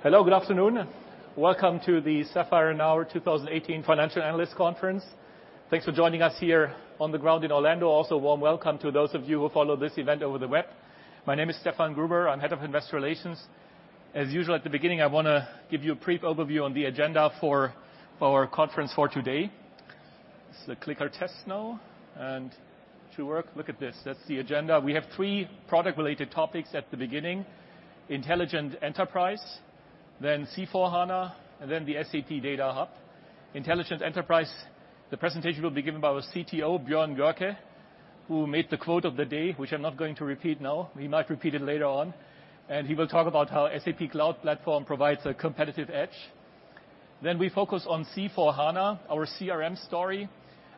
Hello, good afternoon. Welcome to the SAPPHIRE NOW 2018 Financial Analyst Conference. Thanks for joining us here on the ground in Orlando. Also, a warm welcome to those of you who follow this event over the web. My name is Stefan Gruber. I am Head of Investor Relations. As usual, at the beginning, I want to give you a brief overview on the agenda for our conference for today. This is a clicker test now. To work, look at this. That is the agenda. We have three product-related topics at the beginning: Intelligent Enterprise, then C/4HANA, and then the SAP Data Hub. Intelligent Enterprise, the presentation will be given by our CTO, Björn Goerke, who made the quote of the day, which I am not going to repeat now. He might repeat it later on. He will talk about how SAP Cloud Platform provides a competitive edge. We focus on C/4HANA, our CRM story.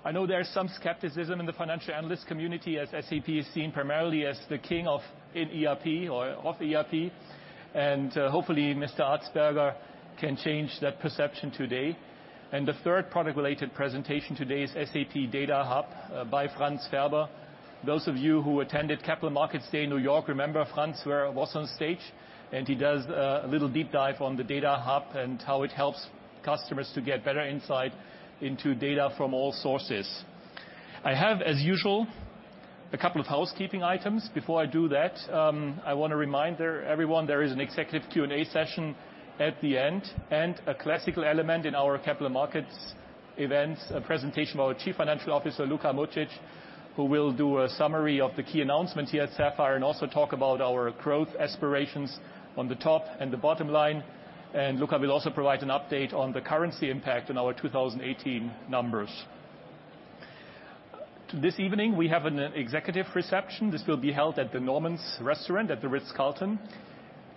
I know there is some skepticism in the financial analyst community as SAP is seen primarily as the king of ERP. Hopefully, Mr. Atzberger can change that perception today. The third product-related presentation today is SAP Data Hub by Franz Faerber. Those of you who attended Capital Markets Day in New York remember Franz was on stage, and he does a little deep dive on the Data Hub and how it helps customers to get better insight into data from all sources. I have, as usual, a couple of housekeeping items. Before I do that, I want to remind everyone there is an executive Q&A session at the end. A classical element in our capital markets event, a presentation by our Chief Financial Officer, Luka Mucic, who will do a summary of the key announcements here at SAPPHIRE and also talk about our growth aspirations on the top and the bottom line. Luka will also provide an update on the currency impact on our 2018 numbers. This evening, we have an executive reception. This will be held at the Norman's Restaurant at the Ritz-Carlton.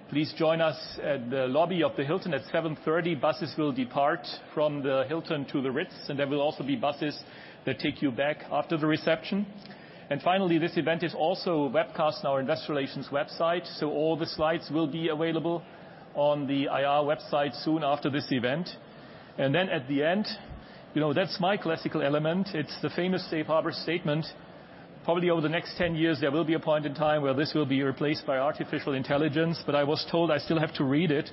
Please join us at the lobby of the Hilton at 7:30 P.M. Buses will depart from the Hilton to the Ritz, and there will also be buses that take you back after the reception. Finally, this event is also webcast on our Investor Relations website. All the slides will be available on the IR website soon after this event. At the end, that is my classical element. It is the famous safe harbor statement. Probably over the next 10 years, there will be a point in time where this will be replaced by artificial intelligence. I was told I still have to read it,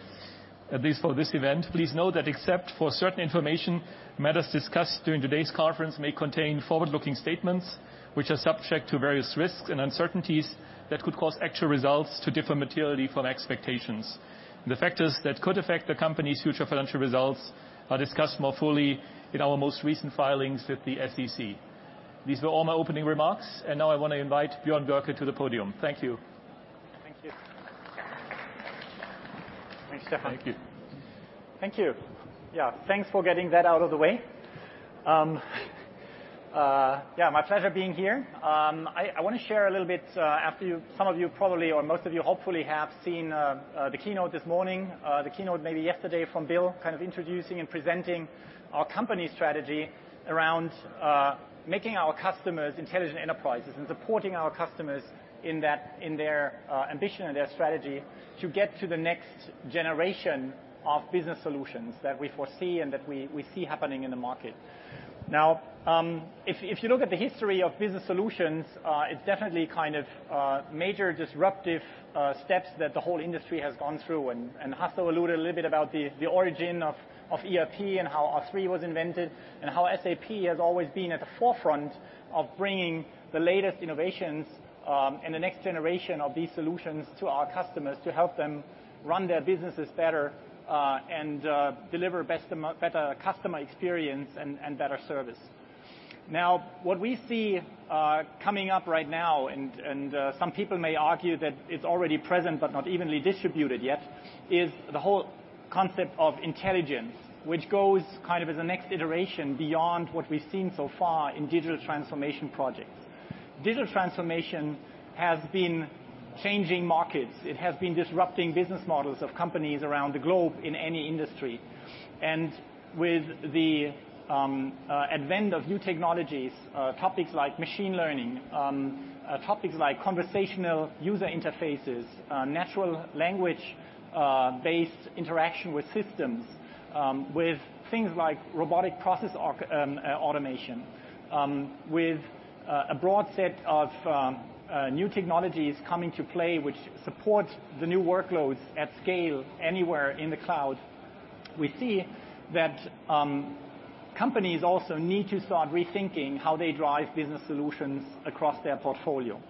at least for this event. Please note that except for certain information, matters discussed during today's conference may contain forward-looking statements, which are subject to various risks and uncertainties that could cause actual results to differ materially from expectations. The factors that could affect the company's future financial results are discussed more fully in our most recent filings with the SEC. Now I want to invite Björn Goerke to the podium. Thank you. Thank you. Thanks, Stefan. Thank you. Thank you. Yeah. Thanks for getting that out of the way. Yeah, my pleasure being here. I want to share a little bit, after some of you probably or most of you, hopefully, have seen the keynote this morning, the keynote maybe yesterday from Bill, kind of introducing and presenting our company strategy around making our customers intelligent enterprises and supporting our customers in their ambition and their strategy to get to the next generation of business solutions that we foresee and that we see happening in the market. Now, if you look at the history of business solutions, it's definitely kind of major disruptive steps that the whole industry has gone through. Hasso alluded a little bit about the origin of ERP and how R/3 was invented, and how SAP has always been at the forefront of bringing the latest innovations, and the next generation of these solutions to our customers to help them run their businesses better, and deliver better customer experience and better service. Now, what we see coming up right now, and some people may argue that it's already present but not evenly distributed yet, is the whole concept of intelligence, which goes kind of as a next iteration beyond what we've seen so far in digital transformation projects. Digital transformation has been changing markets. It has been disrupting business models of companies around the globe in any industry. With the advent of new technologies, topics like machine learning, topics like conversational user interfaces, natural language-based interaction with systems, with things like robotic process automation, with a broad set of new technologies coming to play, which support the new workloads at scale anywhere in the cloud. We see that companies also need to start rethinking how they drive business solutions across their portfolio.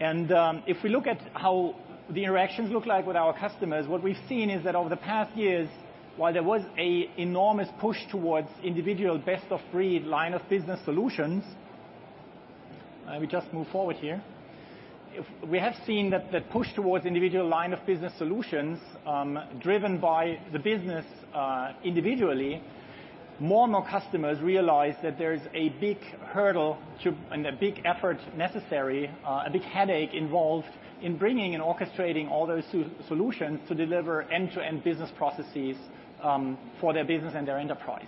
If we look at how the interactions look like with our customers, what we've seen is that over the past years, while there was an enormous push towards individual best-of-breed line of business solutions. We have seen that push towards individual line of business solutions, driven by the business individually, more and more customers realize that there's a big hurdle and a big effort necessary, a big headache involved in bringing and orchestrating all those solutions to deliver end-to-end business processes for their business and their enterprise,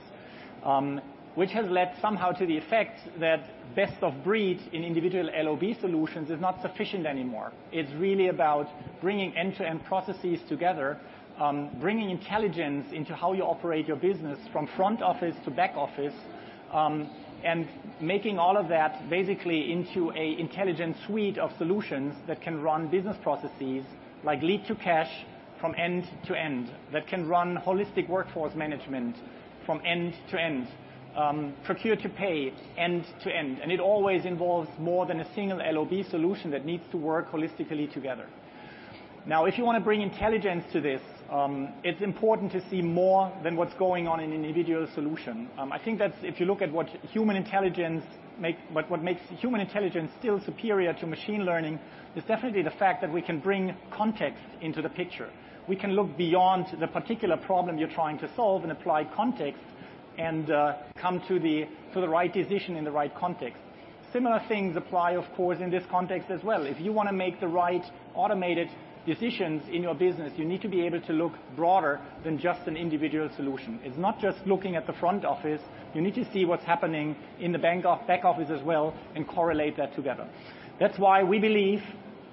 which has led somehow to the effect that best of breed in individual LOB solutions is not sufficient anymore. It's really about bringing end-to-end processes together, bringing intelligence into how you operate your business from front office to back office, and making all of that basically into an Intelligent Suite of solutions that can run business processes like lead-to-cash from end to end. That can run holistic workforce management from end to end. Procure-to-pay, end to end. It always involves more than a single LOB solution that needs to work holistically together. Now, if you want to bring intelligence to this, it's important to see more than what's going on in an individual solution. I think that if you look at what makes human intelligence still superior to machine learning, it's definitely the fact that we can bring context into the picture. We can look beyond the particular problem you're trying to solve and apply context and come to the right decision in the right context. Similar things apply, of course, in this context as well. If you want to make the right automated decisions in your business, you need to be able to look broader than just an individual solution. It's not just looking at the front office. You need to see what's happening in the back office as well and correlate that together. That's why we believe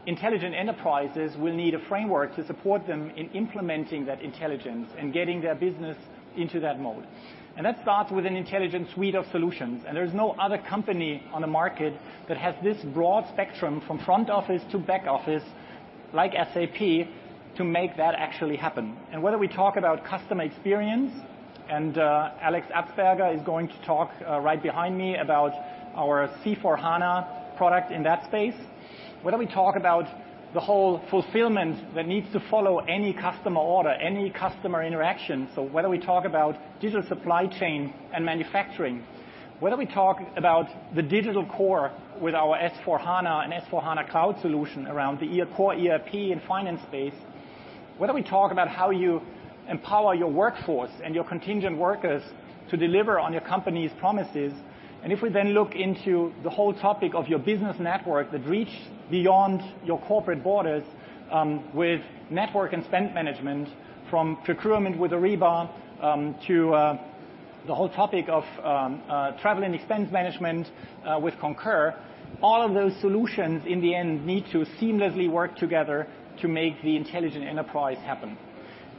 intelligent enterprises will need a framework to support them in implementing that intelligence and getting their business into that mode. That starts with an Intelligent Suite of solutions, and there's no other company on the market that has this broad spectrum from front office to back office, like SAP, to make that actually happen. Whether we talk about customer experience, Alex Atzberger is going to talk right behind me about our C/4HANA product in that space, whether we talk about the whole fulfillment that needs to follow any customer order, any customer interaction. whether we talk about digital supply chain and manufacturing, whether we talk about the digital core with our S/4HANA and S/4HANA Cloud solution around the core ERP and finance space, whether we talk about how you empower your workforce and your contingent workers to deliver on your company's promises, and if we then look into the whole topic of your business network that reach beyond your corporate borders, with network and spend management, from procurement with Ariba, to the whole topic of travel and expense management with Concur, all of those solutions, in the end, need to seamlessly work together to make the intelligent enterprise happen.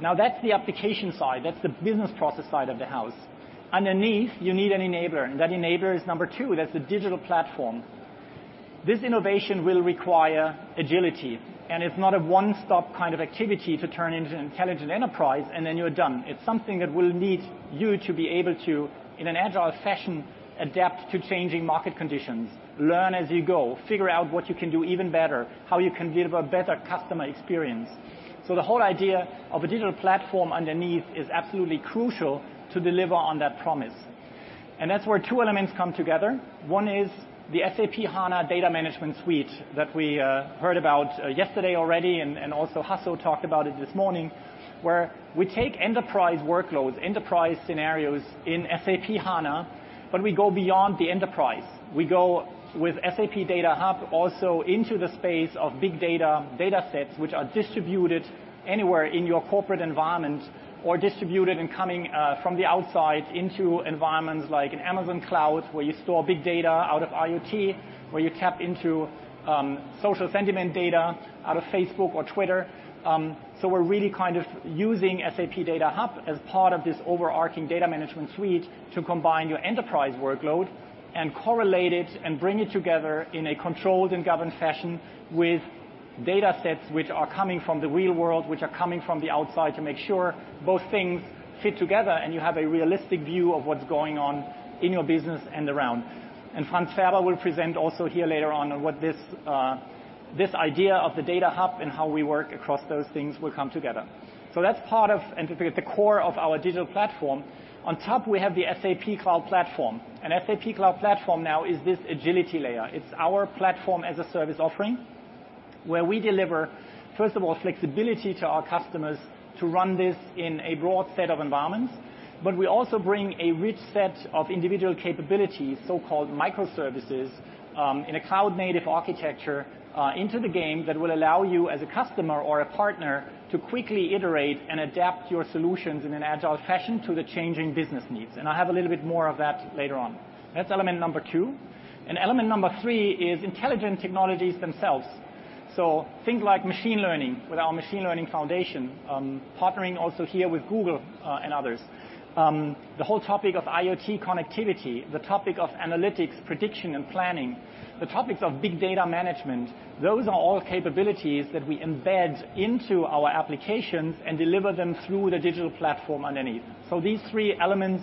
Now, that's the application side. That's the business process side of the house. Underneath, you need an enabler, and that enabler is number two. That's the digital platform. This innovation will require agility, it's not a one-stop kind of activity to turn into an intelligent enterprise, and then you're done. It's something that will need you to be able to, in an agile fashion, adapt to changing market conditions, learn as you go, figure out what you can do even better, how you can deliver a better customer experience. The whole idea of a digital platform underneath is absolutely crucial to deliver on that promise. That's where two elements come together. One is the SAP HANA Data Management Suite that we heard about yesterday already, and also Hasso talked about it this morning, where we take enterprise workloads, enterprise scenarios in SAP HANA, but we go beyond the enterprise. We go with SAP Data Hub also into the space of big data sets which are distributed anywhere in your corporate environment or distributed and coming from the outside into environments like an Amazon cloud, where you store big data out of IoT, where you tap into social sentiment data out of Facebook or Twitter. We're really kind of using SAP Data Hub as part of this overarching data management suite to combine your enterprise workload and correlate it and bring it together in a controlled and governed fashion with data sets which are coming from the real world, which are coming from the outside, to make sure both things fit together and you have a realistic view of what's going on in your business and around. Franz Faerber will present also here later on what this idea of the Data Hub and how we work across those things will come together. That's part of, and to be at the core of our digital platform. On top, we have the SAP Cloud Platform. SAP Cloud Platform now is this agility layer. It's our platform as a service offering, where we deliver, first of all, flexibility to our customers to run this in a broad set of environments. We also bring a rich set of individual capabilities, so-called microservices, in a cloud-native architecture into the game that will allow you as a customer or a partner to quickly iterate and adapt your solutions in an agile fashion to the changing business needs. I have a little bit more of that later on. That's element number two. Element number 3 is intelligent technologies themselves. Things like machine learning with our machine learning foundation, partnering also here with Google and others. The whole topic of IoT connectivity, the topic of analytics, prediction, and planning, the topics of big data management, those are all capabilities that we embed into our applications and deliver them through the digital platform underneath. These 3 elements,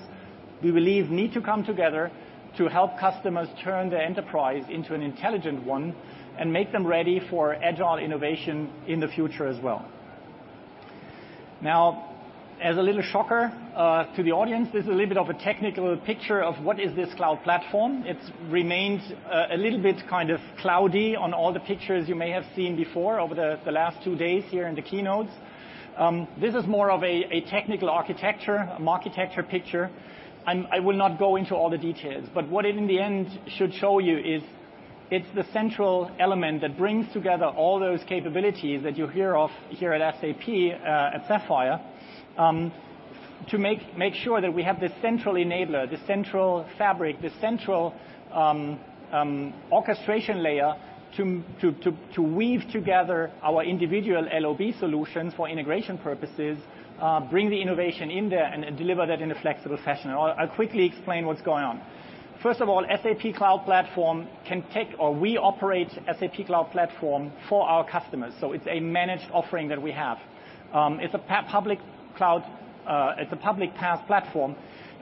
we believe, need to come together to help customers turn their enterprise into an intelligent one and make them ready for agile innovation in the future as well. As a little shocker to the audience, this is a little bit of a technical picture of what is this cloud platform. It remains a little bit kind of cloudy on all the pictures you may have seen before over the last 2 days here in the keynotes. This is more of a technical architecture, an architecture picture. I will not go into all the details, what it, in the end, should show you is it's the central element that brings together all those capabilities that you hear of here at SAP, at SAPPHIRE, to make sure that we have this central enabler, this central fabric, this central orchestration layer to weave together our individual LOB solutions for integration purposes, bring the innovation in there, and deliver that in a flexible fashion. I'll quickly explain what's going on. First of all, SAP Cloud Platform can take, or we operate SAP Cloud Platform for our customers. It's a managed offering that we have. It's a public cloud, it's a public PaaS platform.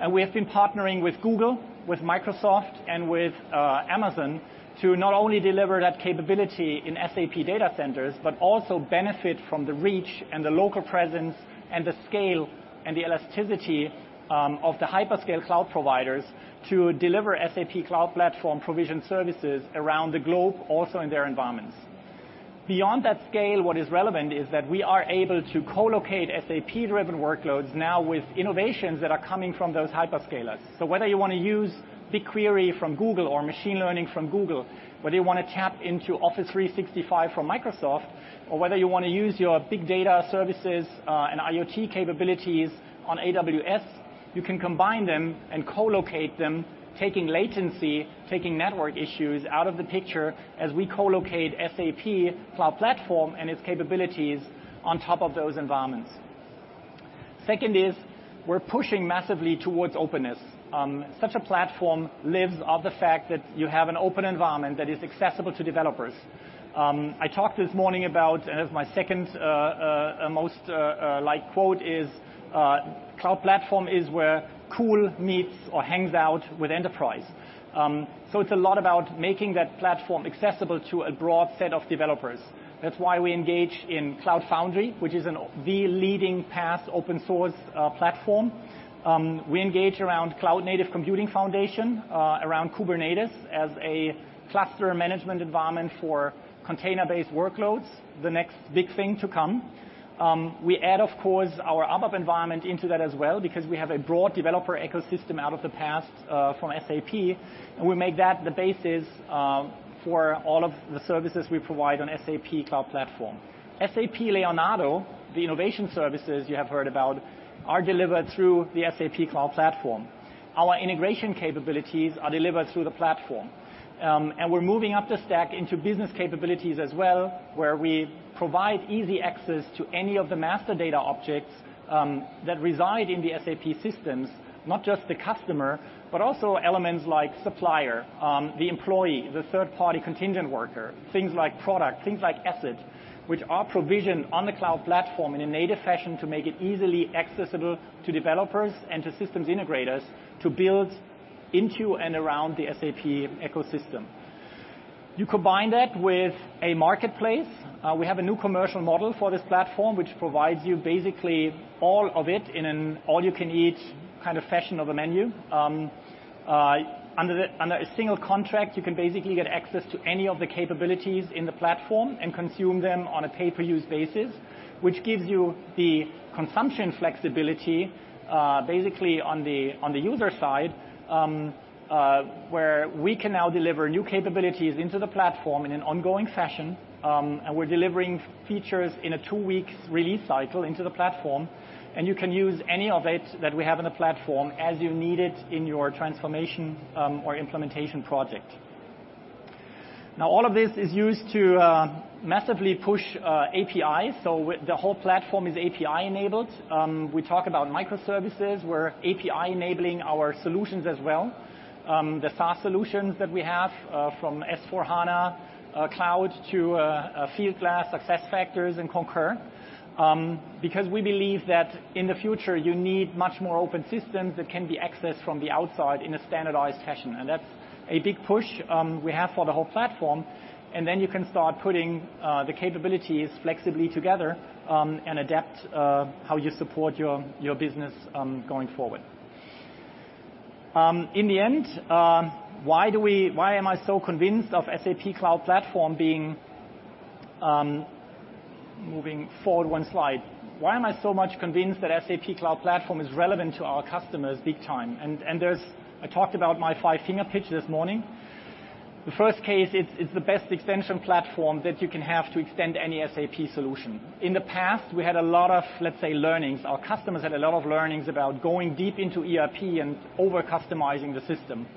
We have been partnering with Google, with Microsoft, and with Amazon to not only deliver that capability in SAP data centers, also benefit from the reach and the local presence and the scale and the elasticity of the hyperscale cloud providers to deliver SAP Cloud Platform provision services around the globe, also in their environments. Beyond that scale, what is relevant is that we are able to co-locate SAP-driven workloads now with innovations that are coming from those hyperscalers. Whether you want to use BigQuery from Google or machine learning from Google, whether you want to tap into Office 365 from Microsoft, or whether you want to use your big data services and IoT capabilities on AWS, you can combine them and co-locate them, taking latency, taking network issues out of the picture as we co-locate SAP Cloud Platform and its capabilities on top of those environments. Second is we're pushing massively towards openness. Such a platform lives off the fact that you have an open environment that is accessible to developers. I talked this morning about, and as my second most liked quote is, "Cloud platform is where cool meets or hangs out with enterprise." It's a lot about making that platform accessible to a broad set of developers. That's why we engage in Cloud Foundry, which is the leading PaaS open source platform. We engage around Cloud Native Computing Foundation, around Kubernetes as a cluster management environment for container-based workloads, the next big thing to come. We add, of course, our ABAP environment into that as well because we have a broad developer ecosystem out of the past from SAP, and we make that the basis for all of the services we provide on SAP Cloud Platform. SAP Leonardo, the innovation services you have heard about, are delivered through the SAP Cloud Platform. Our integration capabilities are delivered through the platform. We're moving up the stack into business capabilities as well, where we provide easy access to any of the master data objects that reside in the SAP systems. Not just the customer, but also elements like supplier, the employee, the third-party contingent worker, things like product, things like asset, which are provisioned on the SAP Cloud Platform in a native fashion to make it easily accessible to developers and to systems integrators to build into and around the SAP ecosystem. You combine that with a marketplace. We have a new commercial model for this platform, which provides you basically all of it in an all-you-can-eat kind of fashion of a menu. Under a single contract, you can basically get access to any of the capabilities in the platform and consume them on a pay-per-use basis, which gives you the consumption flexibility, basically on the user side, where we can now deliver new capabilities into the platform in an ongoing fashion. We're delivering features in a two-week release cycle into the platform, and you can use any of it that we have in the platform as you need it in your transformation or implementation project. All of this is used to massively push APIs. The whole platform is API enabled. We talk about microservices. We're API enabling our solutions as well. The SaaS solutions that we have, from SAP S/4HANA Cloud to Fieldglass, SuccessFactors, and Concur. We believe that in the future, you need much more open systems that can be accessed from the outside in a standardized fashion. That's a big push we have for the whole platform. Then you can start putting the capabilities flexibly together, and adapt how you support your business going forward. In the end, why am I so convinced of SAP Cloud Platform. Why am I so much convinced that SAP Cloud Platform is relevant to our customers big time? I talked about my five-finger pitch this morning. The first case, it's the best extension platform that you can have to extend any SAP solution. In the past, we had a lot of, let's say, learnings. Our customers had a lot of learnings about going deep into ERP and over-customizing the system.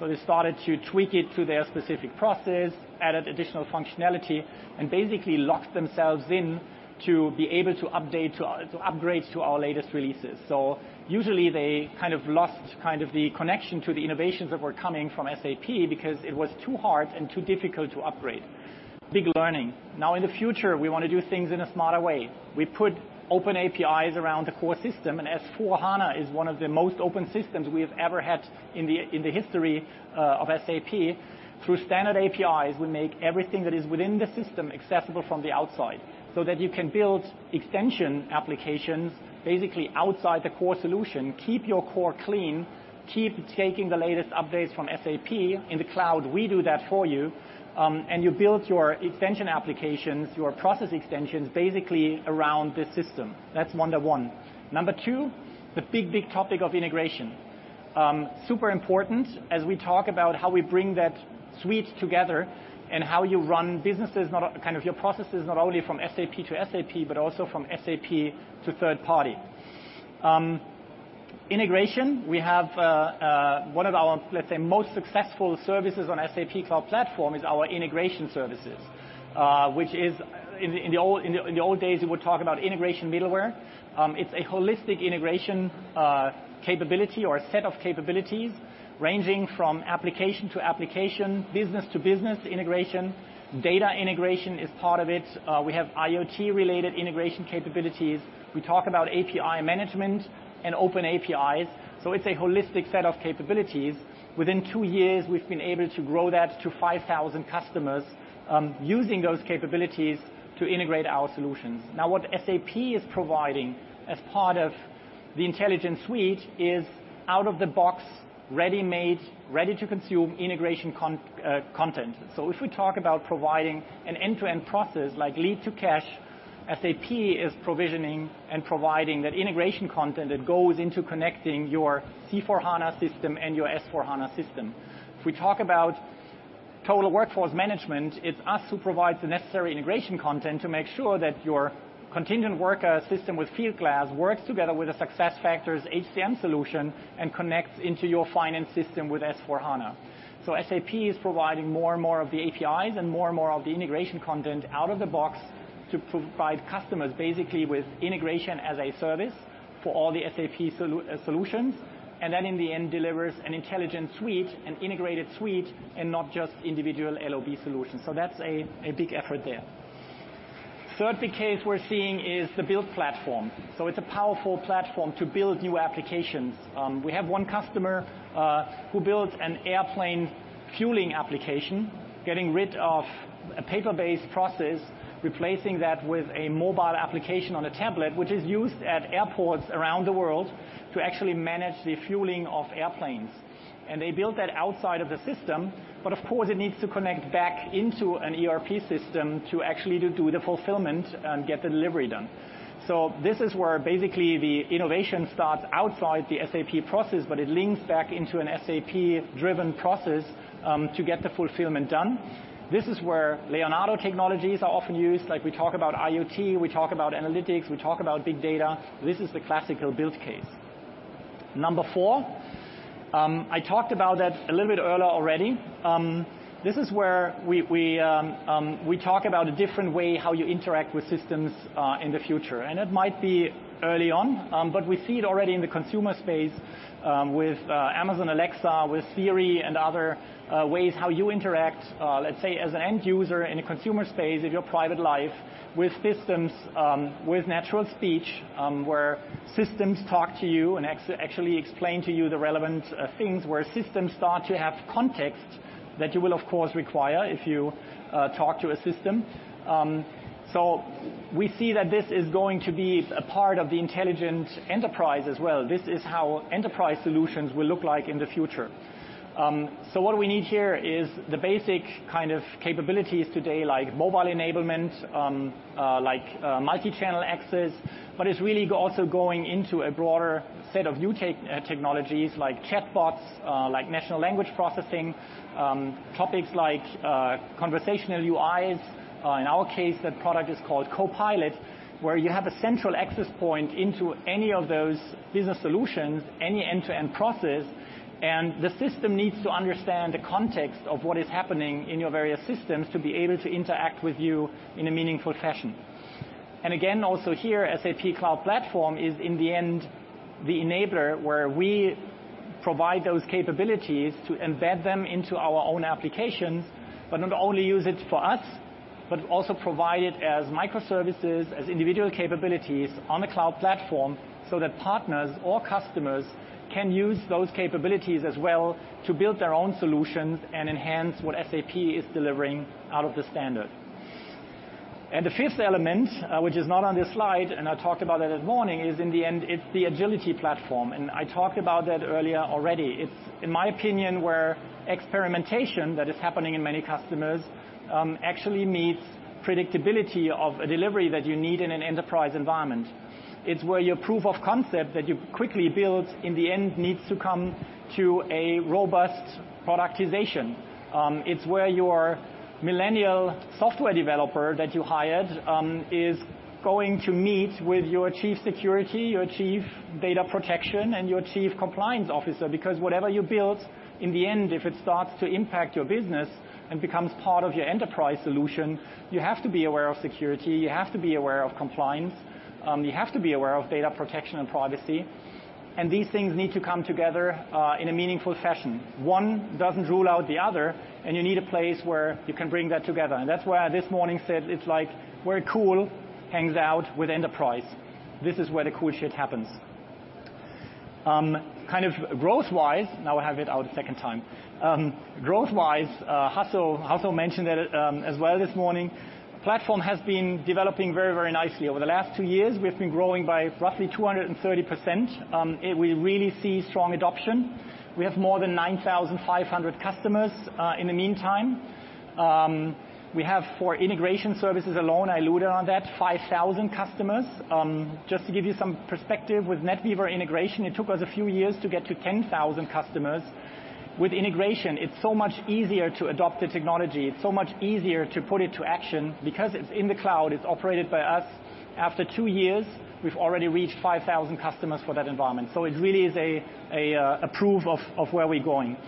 They started to tweak it to their specific process, added additional functionality, and basically locked themselves in to be able to upgrade to our latest releases. Usually, they kind of lost the connection to the innovations that were coming from SAP because it was too hard and too difficult to upgrade. Big learning. In the future, we want to do things in a smarter way. We put open APIs around the core system, SAP S/4HANA is one of the most open systems we have ever had in the history of SAP. Through standard APIs, we make everything that is within the system accessible from the outside so that you can build extension applications basically outside the core solution, keep your core clean, keep taking the latest updates from SAP. In the cloud, we do that for you. You build your extension applications, your process extensions, basically around the system. That's number one. Number two, the big topic of integration. Super important as we talk about how we bring that suite together and how you run businesses, kind of your processes, not only from SAP to SAP, but also from SAP to third party. Integration. One of our, let's say, most successful services on SAP Cloud Platform is our integration services. Which is, in the old days, we would talk about integration middleware. It's a holistic integration capability or a set of capabilities ranging from application to application, business to business integration. Data integration is part of it. We have IoT related integration capabilities. We talk about API management and open APIs. It's a holistic set of capabilities. Within 2 years, we've been able to grow that to 5,000 customers, using those capabilities to integrate our solutions. Now, what SAP is providing as part of the Intelligent Suite is out-of-the-box, ready-made, ready-to-consume integration content. If we talk about providing an end-to-end process like lead to cash, SAP is provisioning and providing that integration content that goes into connecting your SAP C/4HANA system and your SAP S/4HANA system. If we talk about total workforce management, it's us who provides the necessary integration content to make sure that your contingent worker system with SAP Fieldglass works together with a SAP SuccessFactors HCM solution and connects into your finance system with SAP S/4HANA. SAP is providing more and more of the APIs and more and more of the integration content out of the box to provide customers basically with integration as a service for all the SAP solutions. In the end delivers an Intelligent Suite, an integrated suite, and not just individual LOB solutions. That's a big effort there. 3rd big case we're seeing is the build platform. It's a powerful platform to build new applications. We have 1 customer who builds an airplane fueling application, getting rid of a paper-based process, replacing that with a mobile application on a tablet, which is used at airports around the world to actually manage the fueling of airplanes. They built that outside of the system. Of course, it needs to connect back into an ERP system to actually do the fulfillment and get the delivery done. This is where basically the innovation starts outside the SAP process, but it links back into an SAP driven process, to get the fulfillment done. This is where SAP Leonardo technologies are often used. Like we talk about IoT, we talk about analytics, we talk about big data. This is the classical build case. Number 4, I talked about that a little bit earlier already. This is where we talk about a different way how you interact with systems in the future. It might be early on, but we see it already in the consumer space, with Amazon Alexa, with Siri, and other ways how you interact, let's say, as an end user in a consumer space, in your private life, with systems, with natural speech, where systems talk to you and actually explain to you the relevant things. Where systems start to have context that you will, of course, require if you talk to a system. We see that this is going to be a part of the intelligent enterprise as well. This is how enterprise solutions will look like in the future. What we need here is the basic kind of capabilities today, like mobile enablement, like multi-channel access. But it's really also going into a broader set of new technologies like chatbots, like natural language processing, topics like conversational UIs. In our case, that product is called SAP CoPilot, where you have a central access point into any of those business solutions, any end-to-end process. And the system needs to understand the context of what is happening in your various systems to be able to interact with you in a meaningful fashion. Again, also here, SAP Cloud Platform is, in the end, the enabler, where we provide those capabilities to embed them into our own applications. Not only use it for us, but also provide it as microservices, as individual capabilities on the cloud platform so that partners or customers can use those capabilities as well to build their own solutions and enhance what SAP is delivering out of the standard. The fifth element, which is not on this slide, and I talked about that this morning, is in the end, it's the agility platform. I talked about that earlier already. It's, in my opinion, where experimentation that is happening in many customers, actually meets predictability of a delivery that you need in an enterprise environment. It's where your proof of concept that you quickly build in the end needs to come to a robust productization. It's where your millennial software developer that you hired, is going to meet with your chief security, your chief data protection, and your chief compliance officer. Because whatever you build, in the end, if it starts to impact your business and becomes part of your enterprise solution, you have to be aware of security, you have to be aware of compliance, you have to be aware of data protection and privacy. These things need to come together, in a meaningful fashion. One doesn't rule out the other, and you need a place where you can bring that together. That's why this morning said it's like where cool hangs out with enterprise. This is where the cool shit happens. Kind of growth wise, now I have it out a second time. Growth wise, Hasso mentioned that as well this morning. Platform has been developing very, very nicely. Over the last two years, we've been growing by roughly 230%. We really see strong adoption. We have more than 9,500 customers in the meantime. We have, for integration services alone, I alluded on that, 5,000 customers. Just to give you some perspective, with SAP NetWeaver integration, it took us a few years to get to 10,000 customers. With integration, it's so much easier to adopt the technology. It's so much easier to put it to action because it's in the cloud, it's operated by us. After two years, we've already reached 5,000 customers for that environment. So it really is a proof of where we're going.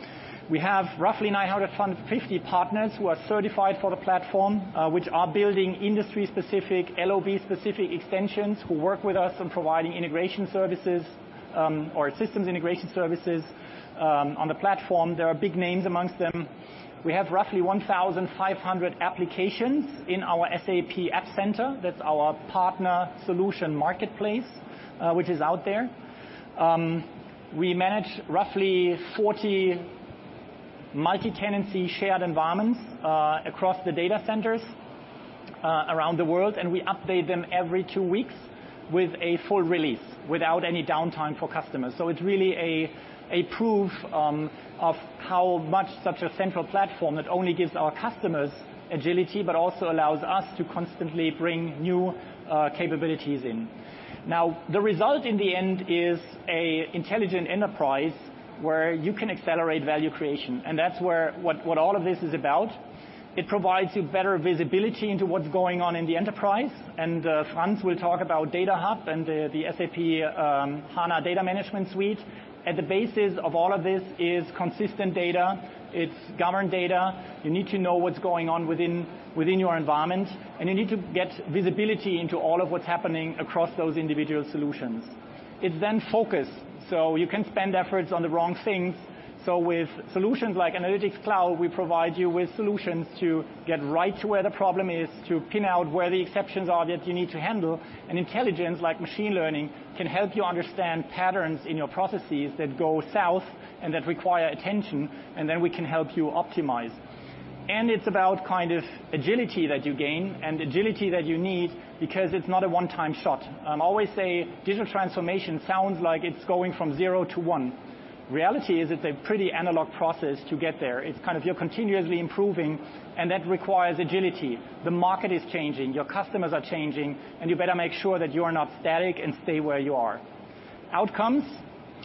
We have roughly 950 partners who are certified for the platform, which are building industry specific, LOB specific extensions, who work with us on providing integration services, or systems integration services on the platform. There are big names amongst them. We have roughly 1,500 applications in our SAP App Center. That's our partner solution marketplace, which is out there. We manage roughly 40 multi-tenancy shared environments across the data centers around the world, and we update them every two weeks with a full release without any downtime for customers. It's really a proof of how much such a central platform that only gives our customers agility, but also allows us to constantly bring new capabilities in. The result in the end is an intelligent enterprise where you can accelerate value creation, and that's what all of this is about. It provides you better visibility into what's going on in the enterprise, and Franz will talk about SAP Data Hub and the SAP HANA Data Management Suite. At the basis of all of this is consistent data. It's governed data. You need to know what's going on within your environment, and you need to get visibility into all of what's happening across those individual solutions. It's then focused, so you can spend efforts on the wrong things. With solutions like SAP Analytics Cloud, we provide you with solutions to get right to where the problem is, to pin out where the exceptions are that you need to handle. Intelligence, like machine learning, can help you understand patterns in your processes that go south and that require attention, and then we can help you optimize. It's about kind of agility that you gain and agility that you need because it's not a one-time shot. I always say digital transformation sounds like it's going from zero to one. Reality is it's a pretty analog process to get there. It's kind of you're continuously improving, and that requires agility. The market is changing, your customers are changing, and you better make sure that you are not static and stay where you are. Outcomes,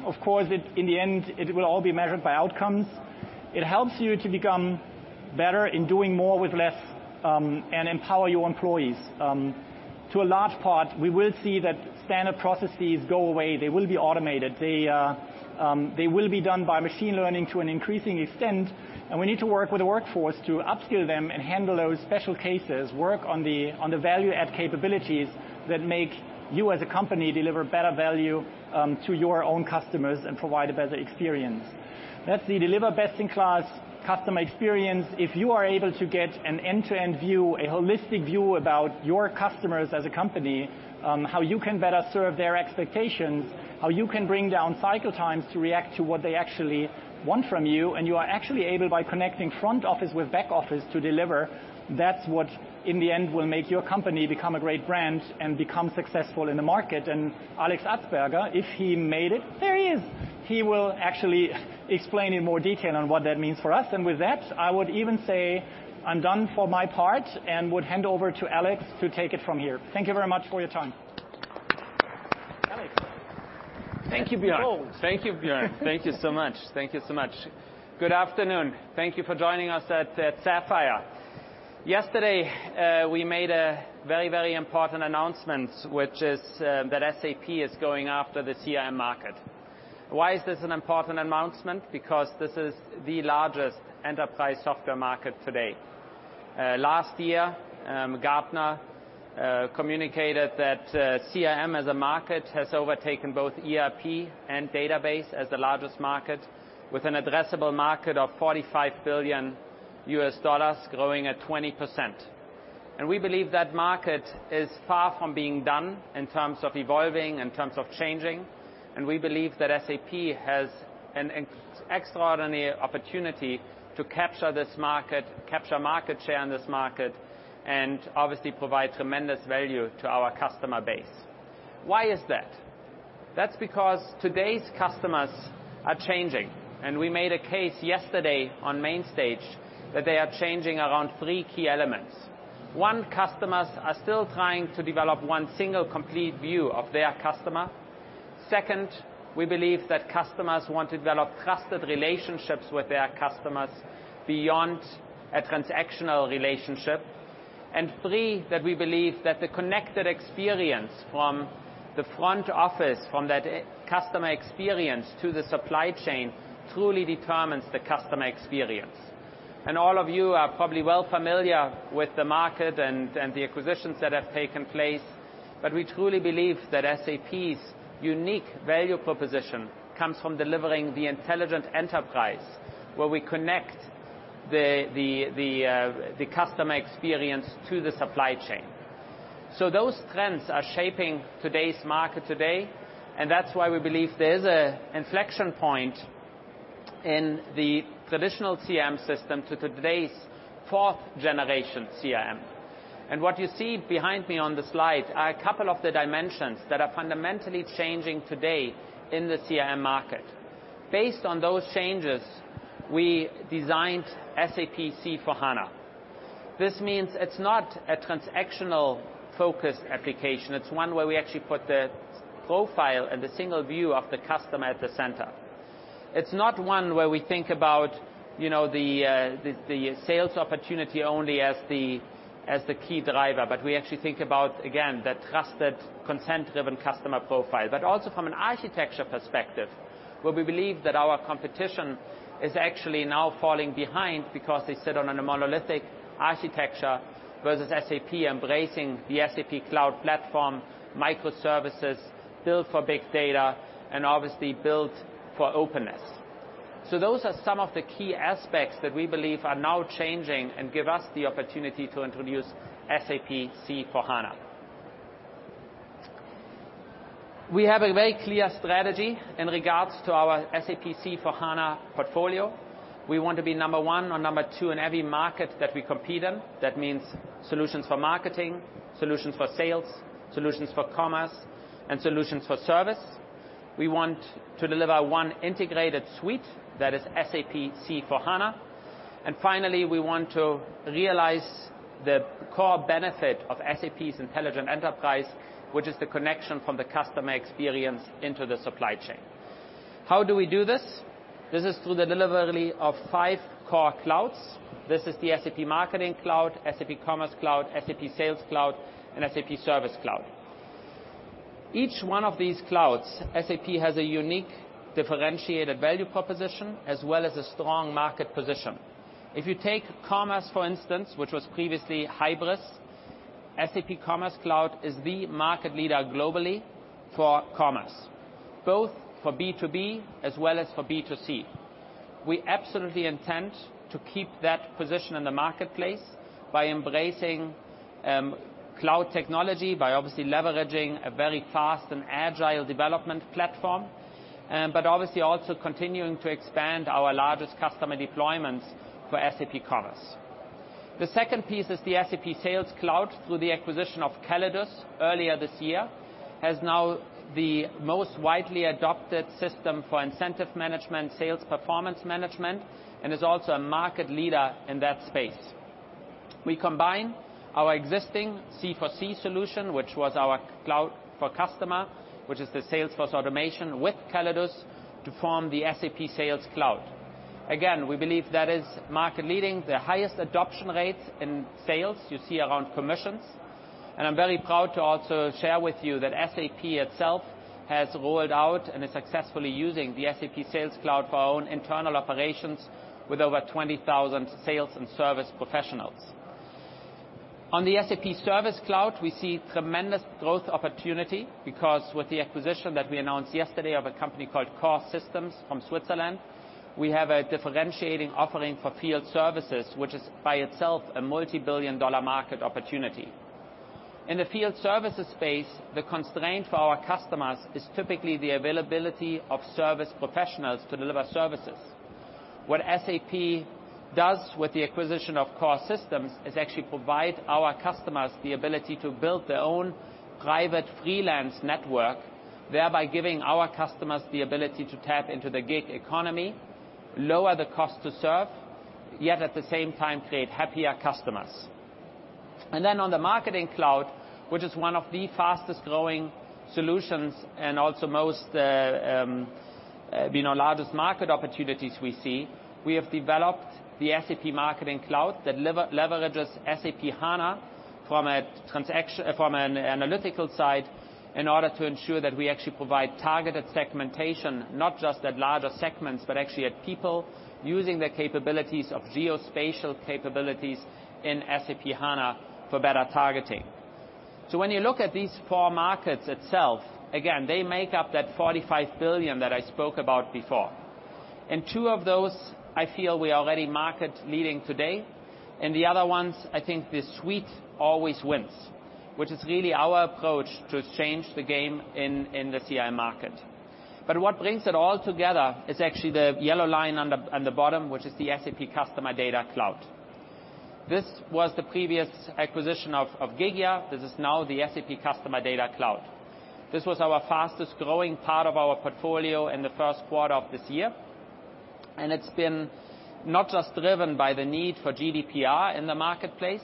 of course, in the end, it will all be measured by outcomes. It helps you to become better in doing more with less, and empower your employees. To a large part, we will see that standard processes go away. They will be automated. They will be done by machine learning to an increasing extent, and we need to work with the workforce to upskill them and handle those special cases, work on the value-add capabilities that make you as a company deliver better value to your own customers and provide a better experience. That's the deliver best-in-class customer experience. If you are able to get an end-to-end view, a holistic view about your customers as a company, how you can better serve their expectations, how you can bring down cycle times to react to what they actually want from you, and you are actually able by connecting front office with back office to deliver, that's what in the end will make your company become a great brand and become successful in the market. Alex Atzberger, if he made it, there he is. He will actually explain in more detail on what that means for us. With that, I would even say I'm done for my part and would hand over to Alex to take it from here. Thank you very much for your time. Alex. Thank you, Björn. Go. Thank you, Björn. Thank you so much. Thank you so much. Good afternoon. Thank you for joining us at SAPPHIRE. Yesterday, we made a very, very important announcement, which is that SAP is going after the CRM market. Why is this an important announcement? Because this is the largest enterprise software market today. Last year, Gartner communicated that CRM as a market has overtaken both ERP and database as the largest market, with an addressable market of $45 billion, growing at 20%. We believe that market is far from being done in terms of evolving, in terms of changing, and we believe that SAP has an extraordinary opportunity to capture this market, capture market share in this market, and obviously provide tremendous value to our customer base. Why is that? That's because today's customers are changing, and we made a case yesterday on main stage that they are changing around three key elements. One, customers are still trying to develop one single complete view of their customer. Second, we believe that customers want to develop trusted relationships with their customers beyond a transactional relationship. Three, that we believe that the connected experience from the front office, from that customer experience to the supply chain, truly determines the customer experience. All of you are probably well familiar with the market and the acquisitions that have taken place. We truly believe that SAP's unique value proposition comes from delivering the Intelligent Enterprise, where we connect the customer experience to the supply chain. Those trends are shaping today's market today, and that's why we believe there is an inflection point in the traditional CRM system to today's fourth generation CRM. What you see behind me on the slide are a couple of the dimensions that are fundamentally changing today in the CRM market. Based on those changes, we designed SAP C/4HANA. This means it's not a transactional-focused application. It's one where we actually put the profile and the single view of the customer at the center. It's not one where we think about the sales opportunity only as the key driver, but we actually think about, again, the trusted, consent-driven customer profile. Also from an architecture perspective, where we believe that our competition is actually now falling behind because they sit on a monolithic architecture, versus SAP embracing the SAP Cloud Platform, microservices built for big data, and obviously built for openness. Those are some of the key aspects that we believe are now changing and give us the opportunity to introduce SAP C/4HANA. We have a very clear strategy in regards to our SAP C/4HANA portfolio. We want to be number one or number two in every market that we compete in. That means solutions for marketing, solutions for sales, solutions for commerce, and solutions for service. We want to deliver one integrated suite that is SAP C/4HANA. Finally, we want to realize the core benefit of SAP's intelligent enterprise, which is the connection from the customer experience into the supply chain. How do we do this? This is through the delivery of five core clouds. This is the SAP Marketing Cloud, SAP Commerce Cloud, SAP Sales Cloud, and SAP Service Cloud. Each one of these clouds, SAP has a unique, differentiated value proposition as well as a strong market position. If you take commerce, for instance, which was previously Hybris, SAP Commerce Cloud is the market leader globally for commerce, both for B2B as well as for B2C. We absolutely intend to keep that position in the marketplace by embracing cloud technology, by obviously leveraging a very fast and agile development platform, but obviously also continuing to expand our largest customer deployments for SAP Commerce. The second piece is the SAP Sales Cloud, through the acquisition of Callidus earlier this year, as now the most widely adopted system for incentive management, sales performance management, and is also a market leader in that space. We combine our existing C4C solution, which was our cloud for customer, which is the sales force automation, with Callidus to form the SAP Sales Cloud. Again, we believe that is market leading, the highest adoption rate in sales you see around commissions. I'm very proud to also share with you that SAP itself has rolled out and is successfully using the SAP Sales Cloud for our own internal operations with over 20,000 sales and service professionals. On the SAP Service Cloud, we see tremendous growth opportunity because with the acquisition that we announced yesterday of a company called Coresystems from Switzerland, we have a differentiating offering for field services, which is by itself a multibillion-dollar market opportunity. In the field services space, the constraint for our customers is typically the availability of service professionals to deliver services. What SAP does with the acquisition of Coresystems is actually provide our customers the ability to build their own private freelance network, thereby giving our customers the ability to tap into the gig economy, lower the cost to serve, yet at the same time create happier customers. Then on the Marketing Cloud, which is one of the fastest-growing solutions and also most largest market opportunities we see, we have developed the SAP Marketing Cloud that leverages SAP HANA from an analytical side in order to ensure that we actually provide targeted segmentation, not just at larger segments, but actually at people using the capabilities of geospatial capabilities in SAP HANA for better targeting. When you look at these four markets itself, again, they make up that $45 billion that I spoke about before. Two of those, I feel we are already market leading today. The other ones, I think the suite always wins, which is really our approach to change the game in the CRM market. What brings it all together is actually the yellow line on the bottom, which is the SAP Customer Data Cloud. This was the previous acquisition of Gigya. This is now the SAP Customer Data Cloud. This was our fastest-growing part of our portfolio in the first quarter of this year. It's been not just driven by the need for GDPR in the marketplace,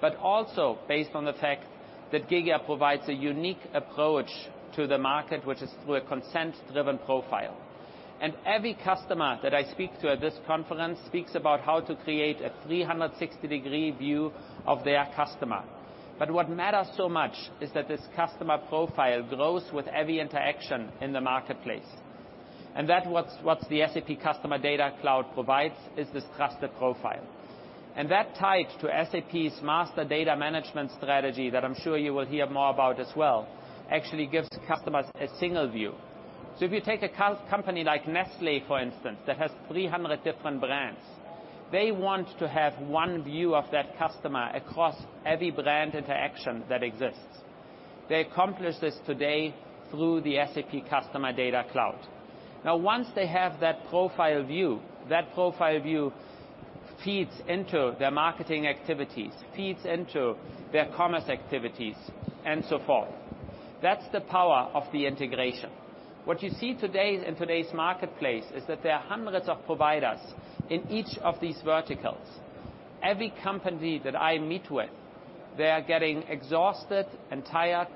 but also based on the fact that Gigya provides a unique approach to the market, which is through a consent-driven profile. Every customer that I speak to at this conference speaks about how to create a 360-degree view of their customer. What matters so much is that this customer profile grows with every interaction in the marketplace. That what's the SAP Customer Data Cloud provides is this trusted profile. That tied to SAP's master data management strategy, that I'm sure you will hear more about as well, actually gives customers a single view. If you take a company like Nestlé, for instance, that has 300 different brands, they want to have one view of that customer across every brand interaction that exists. They accomplish this today through the SAP Customer Data Cloud. Once they have that profile view, that profile view feeds into their marketing activities, feeds into their commerce activities, and so forth. That's the power of the integration. What you see in today's marketplace is that there are hundreds of providers in each of these verticals. Every company that I meet with, they are getting exhausted and tired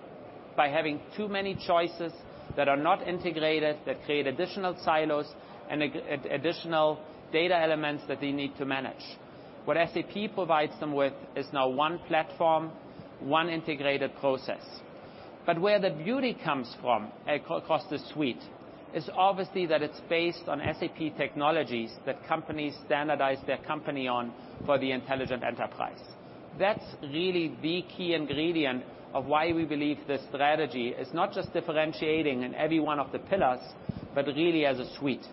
by having too many choices that are not integrated, that create additional silos and additional data elements that they need to manage. What SAP provides them with is now one platform, one integrated process. Where the beauty comes from across the suite is obviously that it's based on SAP technologies that companies standardize their company on for the intelligent enterprise. That's really the key ingredient of why we believe the strategy is not just differentiating in every one of the pillars, but really as a suite.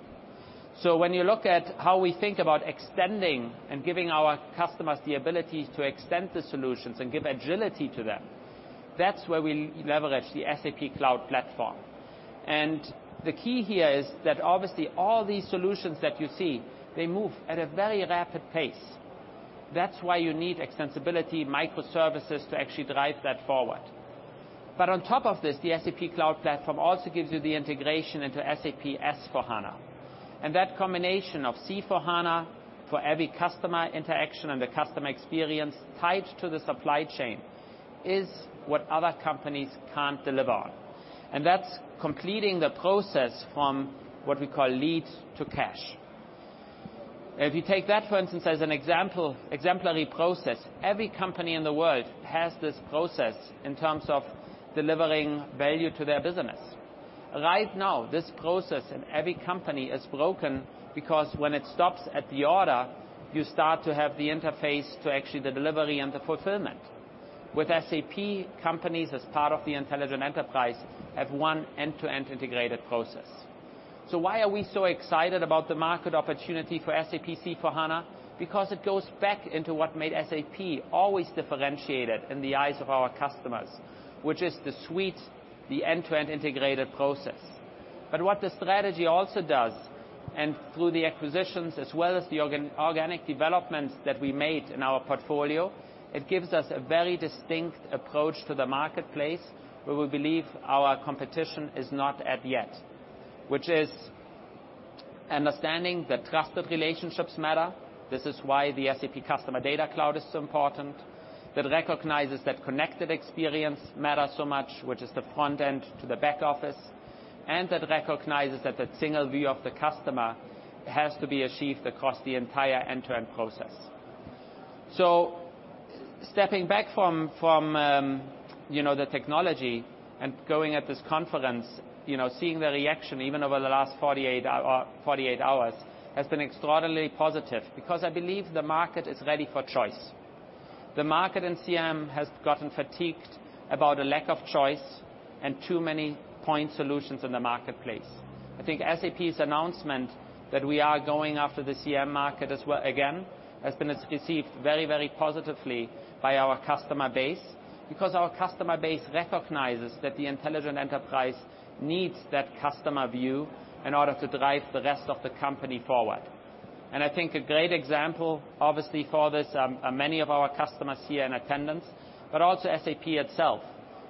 When you look at how we think about extending and giving our customers the ability to extend the solutions and give agility to them, that's where we leverage the SAP Cloud Platform. The key here is that obviously all these solutions that you see, they move at a very rapid pace. That's why you need extensibility microservices to actually drive that forward. On top of this, the SAP Cloud Platform also gives you the integration into SAP S/4HANA. That combination of C/4HANA for every customer interaction and the customer experience tied to the supply chain is what other companies can't deliver on. That's completing the process from what we call leads to cash. If you take that, for instance, as an exemplary process, every company in the world has this process in terms of delivering value to their business. Right now, this process in every company is broken because when it stops at the order, you start to have the interface to actually the delivery and the fulfillment. With SAP, companies as part of the intelligent enterprise have one end-to-end integrated process. Why are we so excited about the market opportunity for SAP C/4HANA? It goes back into what made SAP always differentiated in the eyes of our customers, which is the suite, the end-to-end integrated process. What the strategy also does, and through the acquisitions as well as the organic developments that we made in our portfolio, it gives us a very distinct approach to the marketplace, where we believe our competition is not at yet, which is understanding that trusted relationships matter. This is why the SAP Customer Data Cloud is so important. That recognizes that connected experience matters so much, which is the front end to the back office. It recognizes that the single view of the customer has to be achieved across the entire end-to-end process. Stepping back from the technology and going at this conference, seeing the reaction, even over the last 48 hours, has been extraordinarily positive because I believe the market is ready for choice. The market in CM has gotten fatigued about a lack of choice and too many point solutions in the marketplace. I think SAP's announcement that we are going after the CM market again, has been received very positively by our customer base because our customer base recognizes that the intelligent enterprise needs that customer view in order to drive the rest of the company forward. I think a great example, obviously, for this are many of our customers here in attendance, but also SAP itself,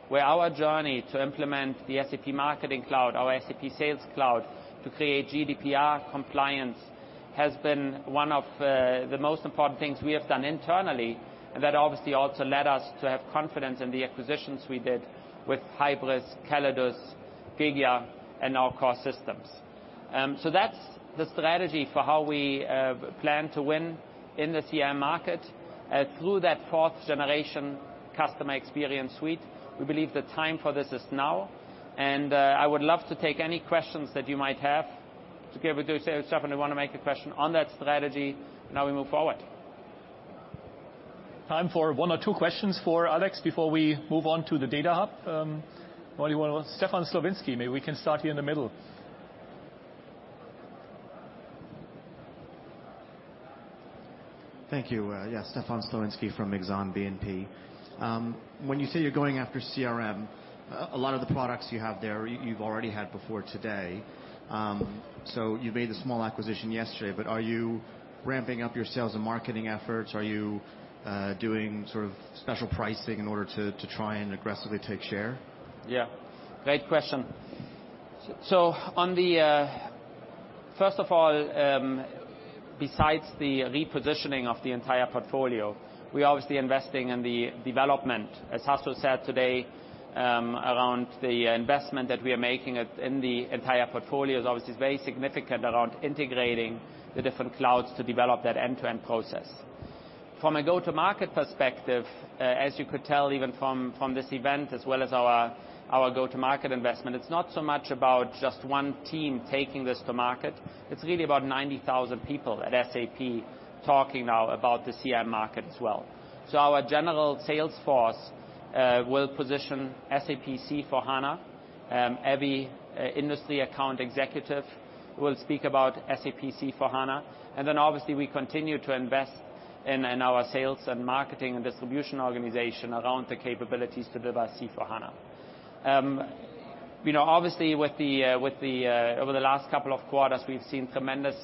where our journey to implement the SAP Marketing Cloud, our SAP Sales Cloud to create GDPR compliance, has been one of the most important things we have done internally. That obviously also led us to have confidence in the acquisitions we did with Hybris, Callidus, Gigya, and now Coresystems. That's the strategy for how we plan to win in the CM market through that fourth-generation customer experience suite. We believe the time for this is now, and I would love to take any questions that you might have. Give it to Stefan if you want to make a question on that strategy, and how we move forward. Time for one or two questions for Alex before we move on to the SAP Data Hub. Stefan Slowinski, maybe we can start here in the middle. Thank you. Yeah. Stefan Slowinski from Exane BNP. When you say you're going after CRM, a lot of the products you have there, you've already had before today. You made a small acquisition yesterday, are you ramping up your sales and marketing efforts? Are you doing sort of special pricing in order to try and aggressively take share? Yeah. Great question. First of all, besides the repositioning of the entire portfolio, we're obviously investing in the development, as Hasso said today, around the investment that we are making in the entire portfolio is obviously very significant around integrating the different clouds to develop that end-to-end process. From a go-to-market perspective, as you could tell even from this event, as well as our go-to-market investment, it's not so much about just one team taking this to market. It's really about 90,000 people at SAP talking now about the CRM market as well. Our general sales force will position SAP C/4HANA. Every industry account executive will speak about SAP C/4HANA, and then obviously we continue to invest in our sales and marketing and distribution organization around the capabilities to deliver C/4HANA. Obviously, over the last couple of quarters, we've seen tremendous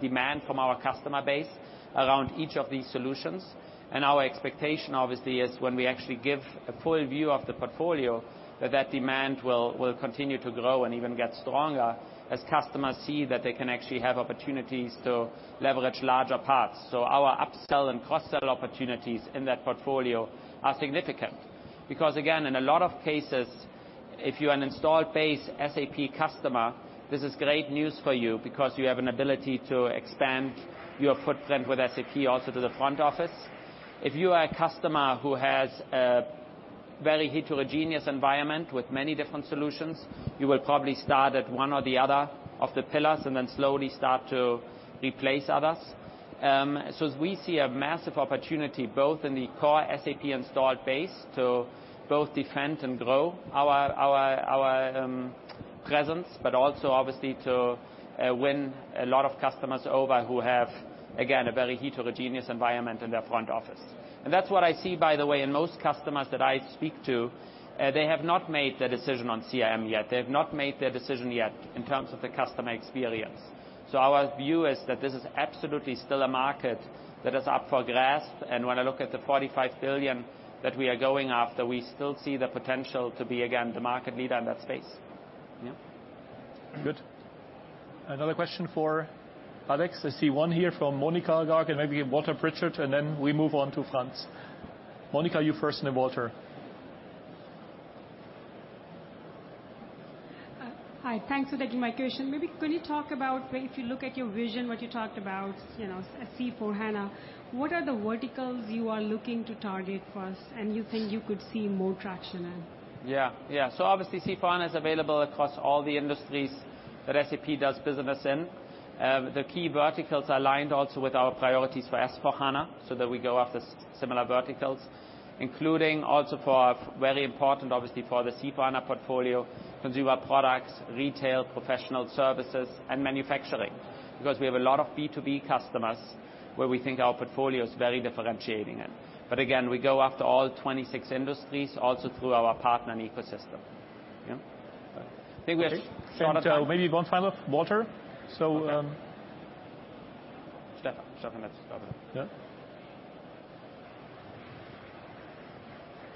demand from our customer base around each of these solutions. Our expectation, obviously, is when we actually give a full view of the portfolio, that that demand will continue to grow and even get stronger as customers see that they can actually have opportunities to leverage larger parts. Our upsell and cross-sell opportunities in that portfolio are significant. Because again, in a lot of cases, if you're an installed base SAP customer, this is great news for you because you have an ability to expand your footprint with SAP also to the front office. If you are a customer who has a very heterogeneous environment with many different solutions, you will probably start at one or the other of the pillars and then slowly start to replace others. We see a massive opportunity both in the core SAP installed base to both defend and grow our presence, also obviously to win a lot of customers over who have, again, a very heterogeneous environment in their front office. That's what I see, by the way, in most customers that I speak to. They have not made the decision on CRM yet. They have not made their decision yet in terms of the customer experience. Our view is that this is absolutely still a market that is up for grasp. When I look at the $45 billion that we are going after, we still see the potential to be, again, the market leader in that space. Yeah. Good. Another question for Alex. I see one here from Monika Garg, and Walter Pritchard, then we move on to Franz. Monika, you first, then Walter. Hi, thanks for taking my question. Could you talk about, if you look at your vision, what you talked about, C/4HANA, what are the verticals you are looking to target first and you think you could see more traction in? Yeah. Obviously C/4HANA is available across all the industries that SAP does business in. The key verticals are aligned also with our priorities for S/4HANA, so that we go after similar verticals, including also for, very important obviously for the C/4HANA portfolio, consumer products, retail, professional services, and manufacturing. We have a lot of B2B customers where we think our portfolio is very differentiating it. Again, we go after all 26 industries, also through our partner and ecosystem. I think we have short time. One final. Walter? Okay. Stefan. Stefan,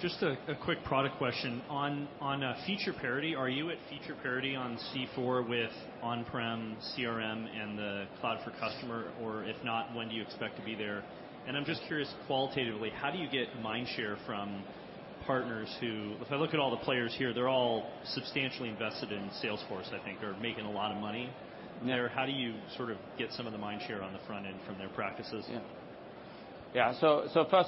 that's Yeah. Just a quick product question. On feature parity, are you at feature parity on C/4 with on-prem CRM and the Cloud for Customer? If not, when do you expect to be there? I'm just curious, qualitatively, how do you sort of get mind share from partners who, if I look at all the players here, they're all substantially invested in Salesforce, I think, or making a lot of money. How do you sort of get some of the mind share on the front end from their practices? Yeah. First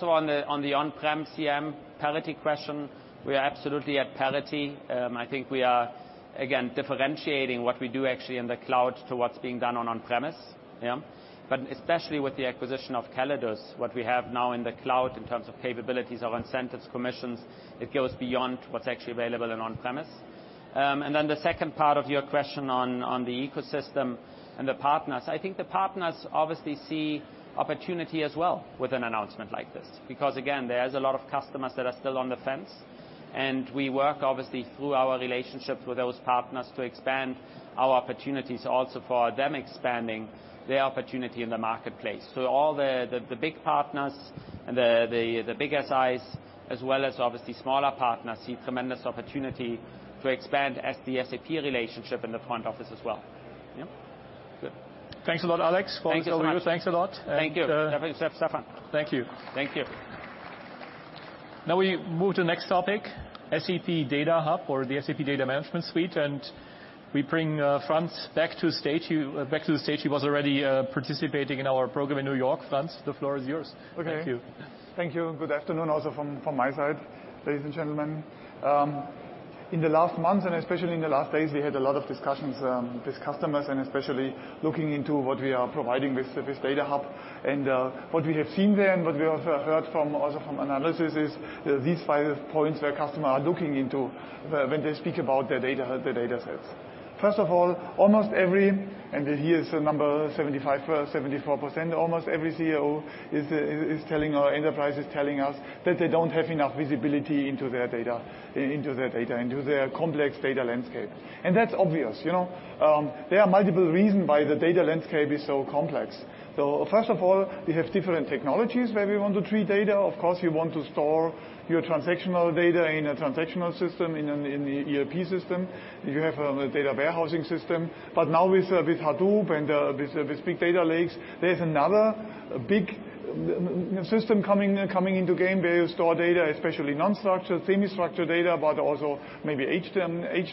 of all, on the on-prem CRM parity question, we are absolutely at parity. I think we are, again, differentiating what we do actually in the cloud to what's being done on on-premise. Yeah. Especially with the acquisition of Callidus, what we have now in the cloud in terms of capabilities of incentives, commissions, it goes beyond what's actually available in on-premise. The second part of your question on the ecosystem and the partners. I think the partners obviously see opportunity as well with an announcement like this. Again, there's a lot of customers that are still on the fence, and we work obviously through our relationships with those partners to expand our opportunities also for them expanding their opportunity in the marketplace. All the big partners and the bigger size, as well as obviously smaller partners, see tremendous opportunity to expand as the SAP relationship in the front office as well. Yeah. Good. Thanks a lot, Alex, for this overview. Thank you so much. Thanks a lot. Thank you. Have a safe summer. Thank you. Thank you. We move to the next topic, SAP Data Hub or the SAP Data Management Suite, and we bring Franz back to the stage. He was already participating in our program in New York. Franz, the floor is yours. Okay. Thank you. Thank you, and good afternoon also from my side, ladies and gentlemen. In the last months, and especially in the last days, we had a lot of discussions with customers and especially looking into what we are providing with this SAP Data Hub. What we have seen there and what we also heard from analysis is these five points where customers are looking into when they speak about their SAP Data Hub, their data sets. First of all, almost every, here is the number, 75, 74%, almost every CEO is telling our enterprises, telling us that they don't have enough visibility into their data, into their complex data landscape. That's obvious. There are multiple reasons why the data landscape is so complex. First of all, we have different technologies where we want to treat data. Of course, you want to store your transactional data in a transactional system, in the ERP system. You have a data warehousing system. Now with Hadoop and with big data lakes, there's another big system coming into play where you store data, especially non-structured, semi-structured data, but also maybe H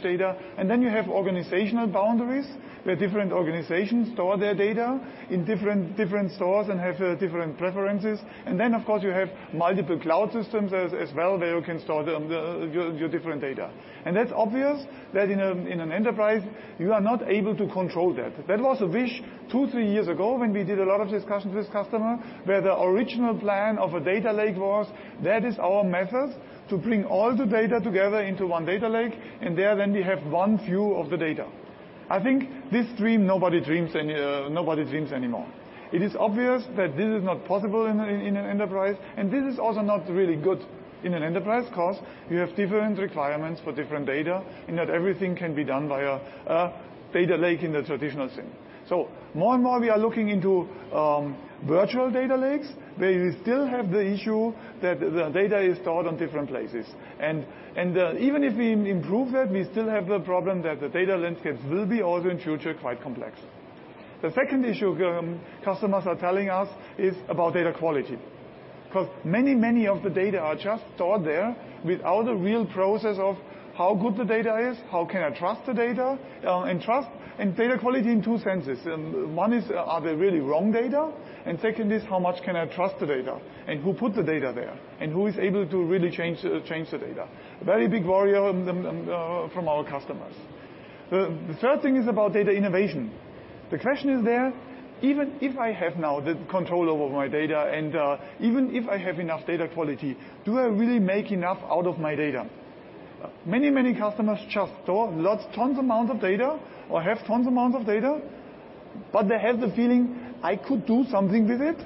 data. Then you have organizational boundaries, where different organizations store their data in different sources and have different preferences. Then, of course, you have multiple cloud systems as well, where you can store your different data. That's obvious that in an enterprise, you are not able to control that. That was a wish two, three years ago when we did a lot of discussions with customers, where the original plan of a data lake was, that is our method to bring all the data together into one data lake, and there then we have one view of the data. I think this dream nobody dreams anymore. It is obvious that this is not possible in an enterprise, this is also not really good in an enterprise because you have different requirements for different data and not everything can be done by a data lake in the traditional sense. More and more, we are looking into virtual data lakes, where you still have the issue that the data is stored on different places. Even if we improve that, we still have the problem that the data landscapes will be also, in future, quite complex. The second issue customers are telling us is about data quality. Because much of the data is just stored there without a real process of how good the data is. How can I trust the data? Data quality in two senses. One is, are they really wrong data? Second is how much can I trust the data and who put the data there and who is able to really change the data? Very big worry from our customers. The third thing is about data innovation. The question is there, even if I have now the control over my data and even if I have enough data quality, do I really make enough out of my data? Many customers just store tons amount of data or have tons amount of data, but they have the feeling, "I could do something with it,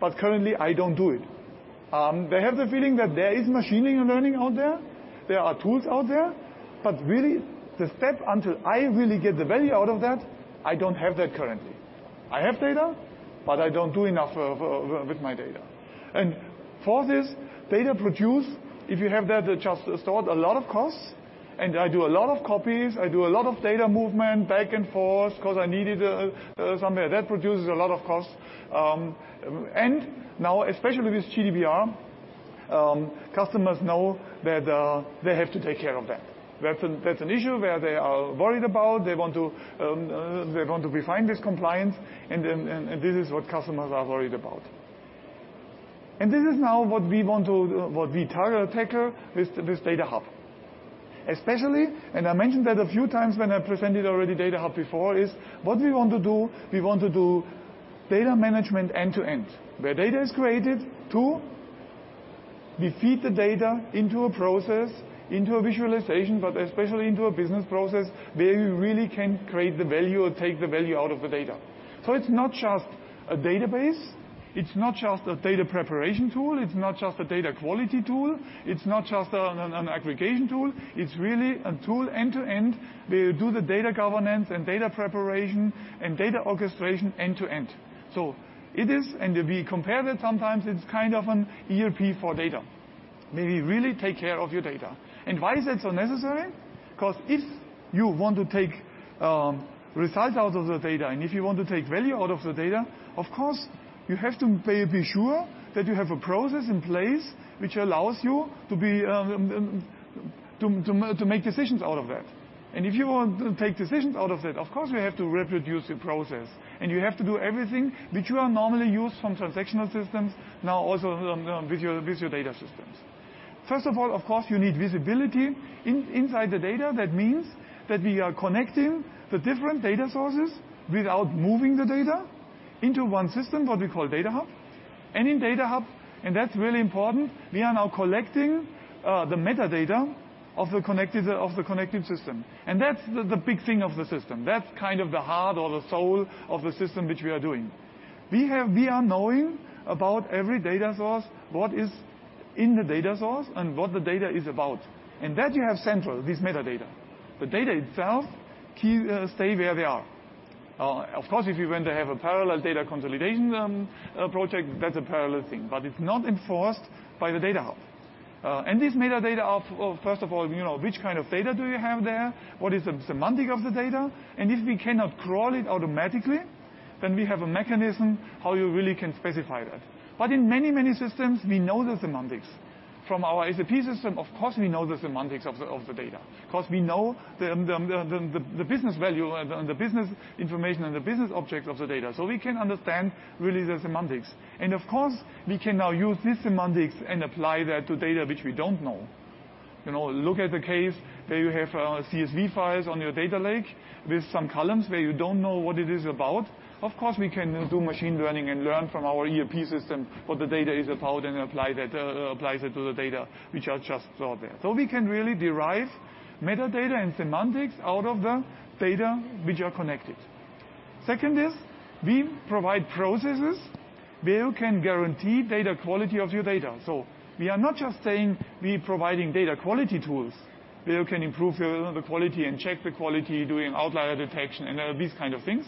but currently I don't do it." They have the feeling that there is machine learning out there are tools out there, but really the step until I really get the value out of that, I don't have that currently. I have data, but I don't do enough with my data. For this data produced, if you have that just stored, a lot of costs, and I do a lot of copies, I do a lot of data movement back and forth because I needed somewhere. That produces a lot of costs. Now especially with GDPR, customers know that they have to take care of that. That's an issue where they are worried about, they want to refine this compliance, and this is what customers are worried about. This is now what we want to tackle, is this Data Hub. Especially, and I mentioned that a few times when I presented already Data Hub before, is what we want to do, we want to do data management end to end. Where data is created to, we feed the data into a process, into a visualization, but especially into a business process where you really can create the value or take the value out of the data. It's not just a database, it's not just a data preparation tool, it's not just a data quality tool, it's not just an aggregation tool, it's really a tool end to end where you do the data governance and data preparation and data orchestration end to end. It is, and we compare that sometimes, it's kind of an ERP for data, where we really take care of your data. Why is that so necessary? Because if you want to take results out of the data, and if you want to take value out of the data, of course, you have to be sure that you have a process in place which allows you to make decisions out of that. If you want to take decisions out of that, of course, we have to reproduce the process, and you have to do everything which you are normally used from transactional systems, now also with your data systems. First of all, of course, you need visibility inside the data. That means that we are connecting the different data sources without moving the data into one system, what we call Data Hub. In Data Hub, and that's really important, we are now collecting the metadata of the connected system. That's the big thing of the system. That's kind of the heart or the soul of the system which we are doing. We are knowing about every data source, what is in the data source, and what the data is about. That you have central, this metadata. The data itself stay where they are. Of course, if you want to have a parallel data consolidation project, that's a parallel thing, but it's not enforced by the Data Hub. This metadata of, first of all, which kind of data do you have there? What is the semantic of the data? If we cannot crawl it automatically, then we have a mechanism how you really can specify that. But in many systems, we know the semantics. From our SAP system, of course, we know the semantics of the data. Because we know the business value and the business information and the business object of the data. We can understand really the semantics. Of course, we can now use these semantics and apply that to data which we don't know. Look at the case where you have CSV files on your data lake with some columns where you don't know what it is about. Of course, we can do machine learning and learn from our ERP system what the data is about and apply that to the data which are just stored there. We can really derive metadata and semantics out of the data which are connected. Second is we provide processes where you can guarantee data quality of your data. We are not just saying we providing data quality tools, where you can improve the quality and check the quality doing outlier detection and these kind of things.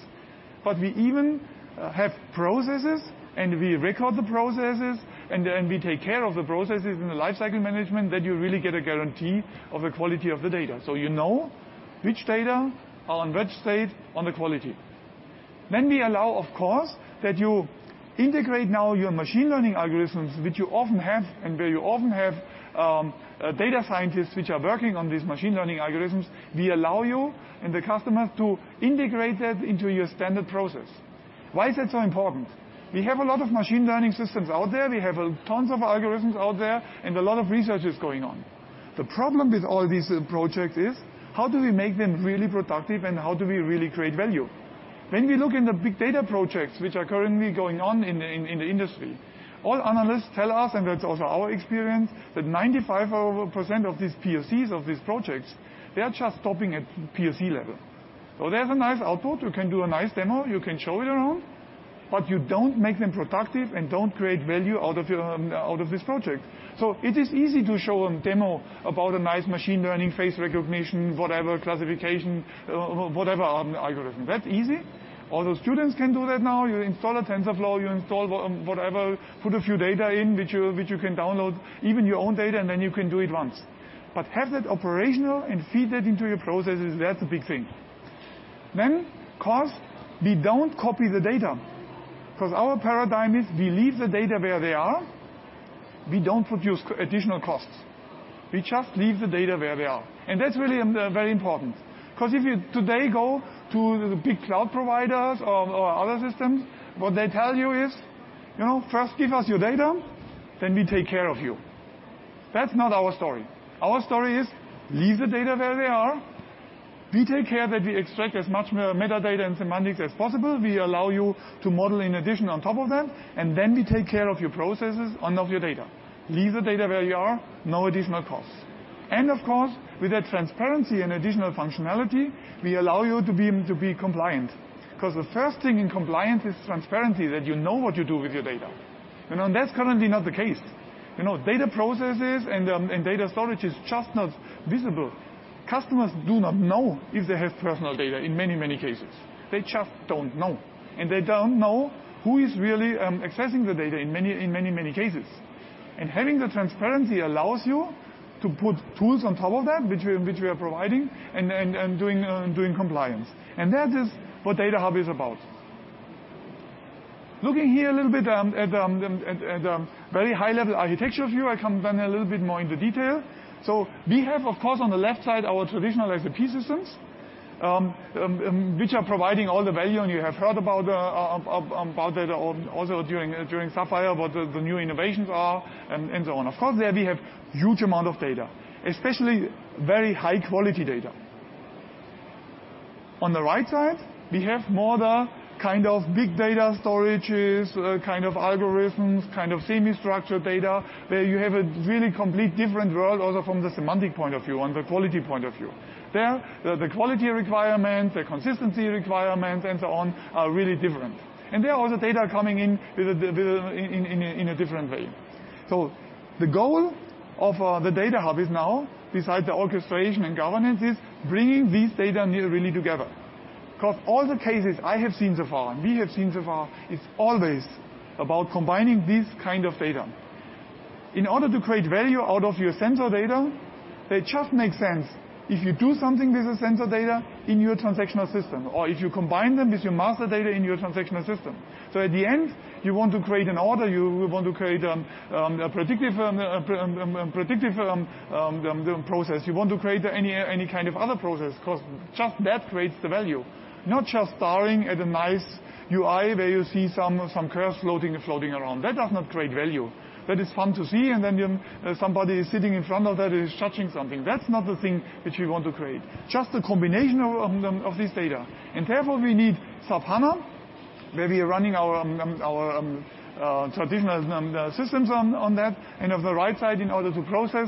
We even have processes, and we record the processes, and we take care of the processes in the lifecycle management that you really get a guarantee of the quality of the data. You know which data are on which state on the quality. We allow, of course, that you integrate now your machine learning algorithms, which you often have, and where you often have data scientists which are working on these machine learning algorithms. We allow you and the customers to integrate that into your standard process. Why is that so important? We have a lot of machine learning systems out there. We have tons of algorithms out there and a lot of research is going on. The problem with all these projects is. How do we make them really productive and how do we really create value? When we look in the big data projects, which are currently going on in the industry, all analysts tell us, and that's also our experience, that 95% of these POCs of these projects, they are just stopping at POC level. They have a nice output, you can do a nice demo, you can show it around, but you don't make them productive and don't create value out of this project. It is easy to show a demo about a nice machine learning face recognition, whatever classification, whatever algorithm. That's easy. All those students can do that now. You install a TensorFlow, you install whatever, put a few data in which you can download, even your own data, and then you can do it once. Have that operational and feed that into your processes, that's a big thing. Cost. We don't copy the data because our paradigm is we leave the data where they are. We don't produce additional costs. We just leave the data where they are. That's really very important because if you today go to the big cloud providers or other systems, what they tell you is, "First give us your data, then we take care of you." That's not our story. Our story is leave the data where they are. We take care that we extract as much metadata and semantics as possible. We allow you to model in addition on top of that, and then we take care of your processes and of your data. Leave the data where they are, no additional costs. Of course, with that transparency and additional functionality, we allow you to be compliant. The first thing in compliance is transparency, that you know what you do with your data. That's currently not the case. Data processes and data storage is just not visible. Customers do not know if they have personal data in many, many cases. They just don't know. They don't know who is really accessing the data in many, many cases. Having the transparency allows you to put tools on top of that, which we are providing and doing compliance. That is what SAP Data Hub is about. Looking here a little bit at the very high-level architecture view, I come down a little bit more into detail. We have, of course, on the left side, our traditional SAP systems, which are providing all the value, you have heard about that also during SAPPHIRE, what the new innovations are and so on. Of course, there we have huge amount of data, especially very high-quality data. On the right side, we have more the kind of big data storages, kind of algorithms, kind of semi-structured data, where you have a really complete different world also from the semantic point of view and the quality point of view. There, the quality requirements, the consistency requirements, and so on, are really different. There are also data coming in in a different way. The goal of the SAP Data Hub is now, besides the orchestration and governance, is bringing these data really together. All the cases I have seen so far, we have seen so far, it's always about combining these kind of data. In order to create value out of your sensor data, they just make sense if you do something with the sensor data in your transactional system, or if you combine them with your master data in your transactional system. At the end, you want to create an order, you want to create a predictive process. You want to create any kind of other process, because just that creates the value. Not just staring at a nice UI where you see some curves loading and floating around. That does not create value. That is fun to see, somebody sitting in front of that is touching something. That's not the thing which we want to create. Just a combination of this data. Therefore, we need SAP HANA, where we are running our traditional systems on that. Of the right side in order to process,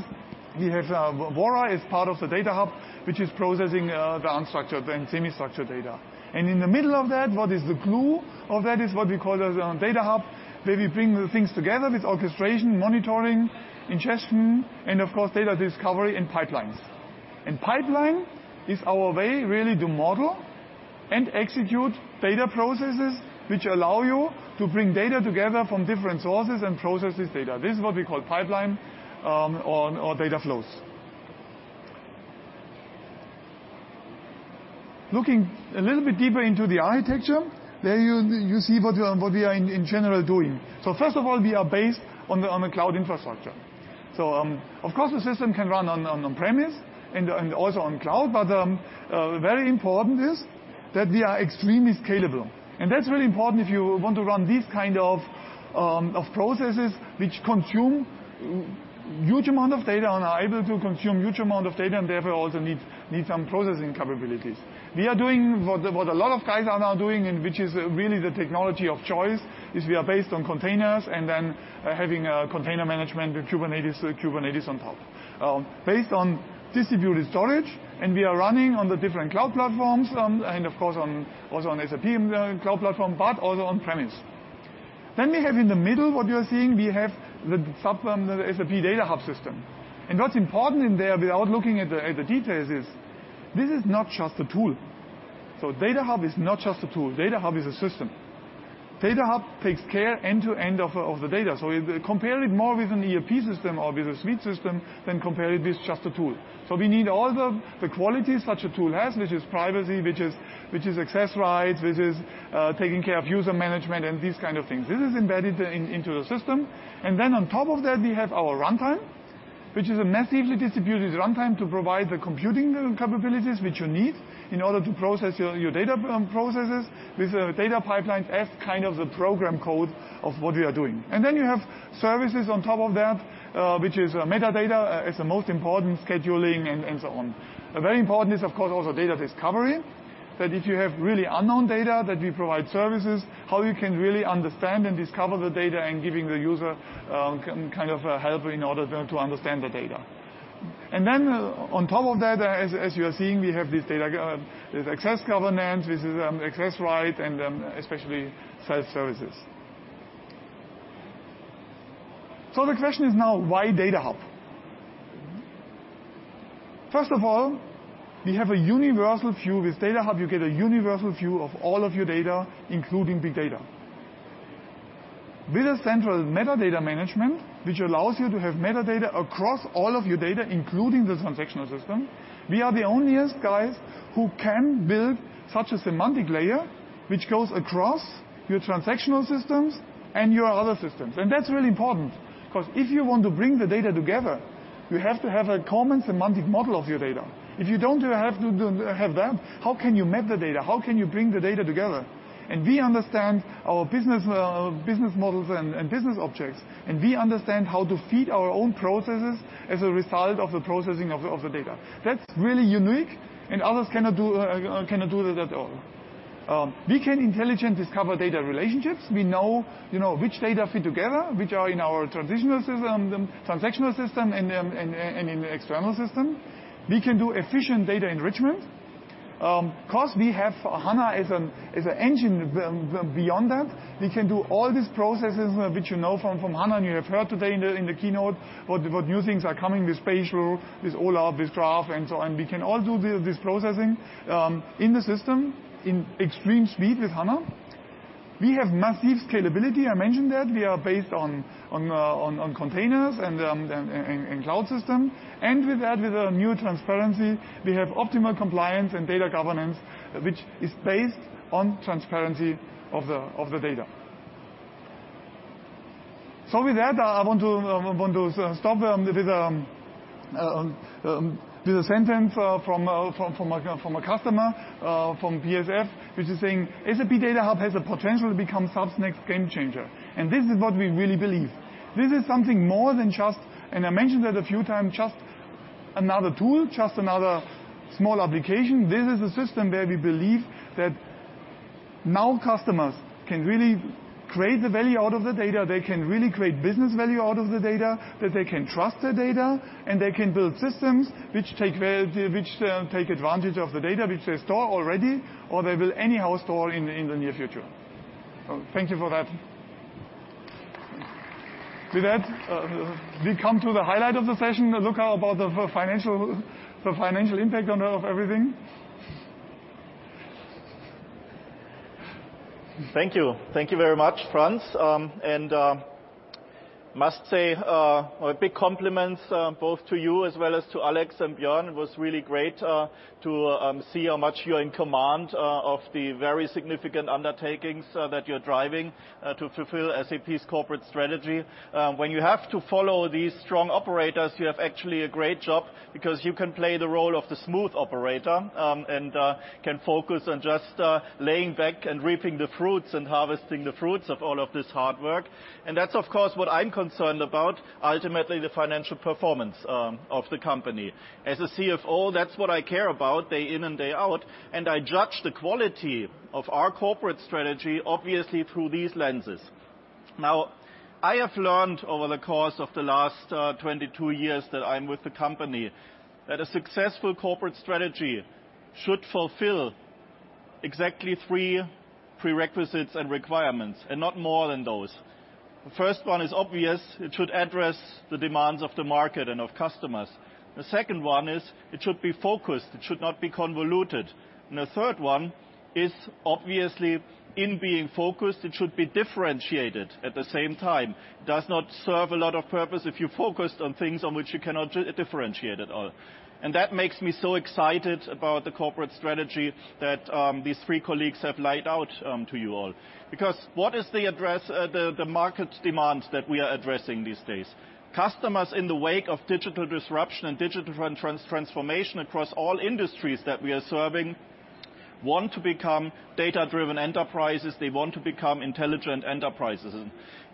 we have SAP Vora as part of the SAP Data Hub, which is processing the unstructured and semi-structured data. In the middle of that, what is the glue of that is what we call as SAP Data Hub, where we bring the things together with orchestration, monitoring, ingestion, of course, data discovery and pipelines. Pipeline is our way really to model and execute data processes which allow you to bring data together from different sources and processes data. This is what we call pipeline, or data flows. Looking a little bit deeper into the architecture, there you see what we are in general doing. First of all, we are based on a cloud infrastructure. Of course, the system can run on premise and also on cloud, but very important is that we are extremely scalable. That's really important if you want to run these kind of processes which consume huge amount of data and are able to consume huge amount of data, and therefore also need some processing capabilities. We are doing what a lot of guys are now doing, and which is really the technology of choice, is we are based on containers and then having a container management with Kubernetes on top. Based on distributed storage, we are running on the different cloud platforms and of course also on SAP Cloud Platform, but also on premise. We have in the middle, what you are seeing, we have the SAP Data Hub system. What's important in there, without looking at the details is, this is not just a tool. Data Hub is not just a tool. Data Hub is a system. Data Hub takes care end-to-end of the data. Compare it more with an ERP system or with a suite system than compare it with just a tool. We need all the qualities such a tool has, which is privacy, which is access rights, which is taking care of user management and these kind of things. This is embedded into the system. Then on top of that, we have our runtime, which is a massively distributed runtime to provide the computing capabilities which you need in order to process your data processes with data pipelines as kind of the program code of what we are doing. Then you have services on top of that, which is metadata as the most important scheduling and so on. Very important is, of course, also data discovery. That if you have really unknown data, that we provide services, how you can really understand and discover the data and giving the user help in order to understand the data. Then on top of that, as you are seeing, we have this data access governance. This is access right and especially self-services. The question is now, why Data Hub? First of all, we have a universal view. With Data Hub, you get a universal view of all of your data, including big data. With a central metadata management, which allows you to have metadata across all of your data, including the transactional system, we are the onliest guys who can build such a semantic layer, which goes across your transactional systems and your other systems. That's really important because if you want to bring the data together, you have to have a common semantic model of your data. If you don't have that, how can you map the data? How can you bring the data together? We understand our business models and business objects, and we understand how to feed our own processes as a result of the processing of the data. That's really unique, and others cannot do that at all. We can intelligently discover data relationships. We know which data fit together, which are in our transitional system, transactional system, and in the external system. We can do efficient data enrichment. We have HANA as an engine beyond that, we can do all these processes which you know from HANA, you have heard today in the keynote, what new things are coming with spatial, with OLAP, with graph, and so on. We can all do this processing in the system in extreme speed with HANA. We have massive scalability, I mentioned that. We are based on containers and cloud system. With that, with our new transparency, we have optimal compliance and data governance, which is based on transparency of the data. With that, I want to stop with a sentence from a customer, from PSF, which is saying, "SAP Data Hub has the potential to become SAP's next game changer." This is what we really believe. This is something more than just, and I mentioned that a few times, just another tool, just another small application. This is a system where we believe that now customers can really create the value out of the data. They can really create business value out of the data, that they can trust the data, and they can build systems which take advantage of the data which they store already, or they will anyhow store in the near future. Thank you for that. With that, we come to the highlight of the session. Luka, about the financial impact of everything. Thank you. Thank you very much, Franz. Must say, a big compliment, both to you as well as to Alex and Björn. It was really great to see how much you're in command of the very significant undertakings that you're driving to fulfill SAP's corporate strategy. When you have to follow these strong operators, you have actually a great job because you can play the role of the smooth operator, and can focus on just laying back and reaping the fruits and harvesting the fruits of all of this hard work. That's, of course, what I'm concerned about, ultimately, the financial performance of the company. As a CFO, that's what I care about day in and day out, and I judge the quality of our corporate strategy, obviously, through these lenses. Now, I have learned over the course of the last 22 years that I'm with the company, that a successful corporate strategy should fulfill exactly three prerequisites and requirements, and not more than those. The first one is obvious. It should address the demands of the market and of customers. The second one is, it should be focused. It should not be convoluted. The third one is, obviously, in being focused, it should be differentiated at the same time. Does not serve a lot of purpose if you're focused on things on which you cannot differentiate at all. That makes me so excited about the corporate strategy that these three colleagues have laid out to you all. What is the address, the market demands that we are addressing these days? Customers in the wake of digital disruption and digital transformation across all industries that we are serving want to become data-driven enterprises. They want to become intelligent enterprises.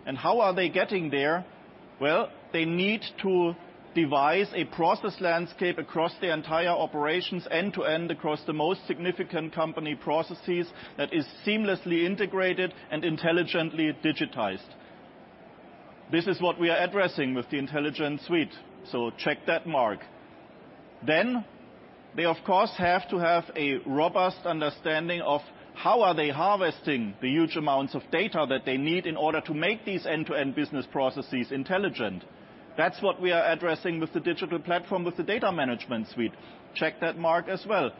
How are they getting there? Well, they need to devise a process landscape across their entire operations, end-to-end across the most significant company processes that is seamlessly integrated and intelligently digitized. This is what we are addressing with the Intelligent Suite, so check that mark. They, of course, have to have a robust understanding of how are they harvesting the huge amounts of data that they need in order to make these end-to-end business processes intelligent. That's what we are addressing with the digital platform, with the Data Management Suite. Check that mark as well.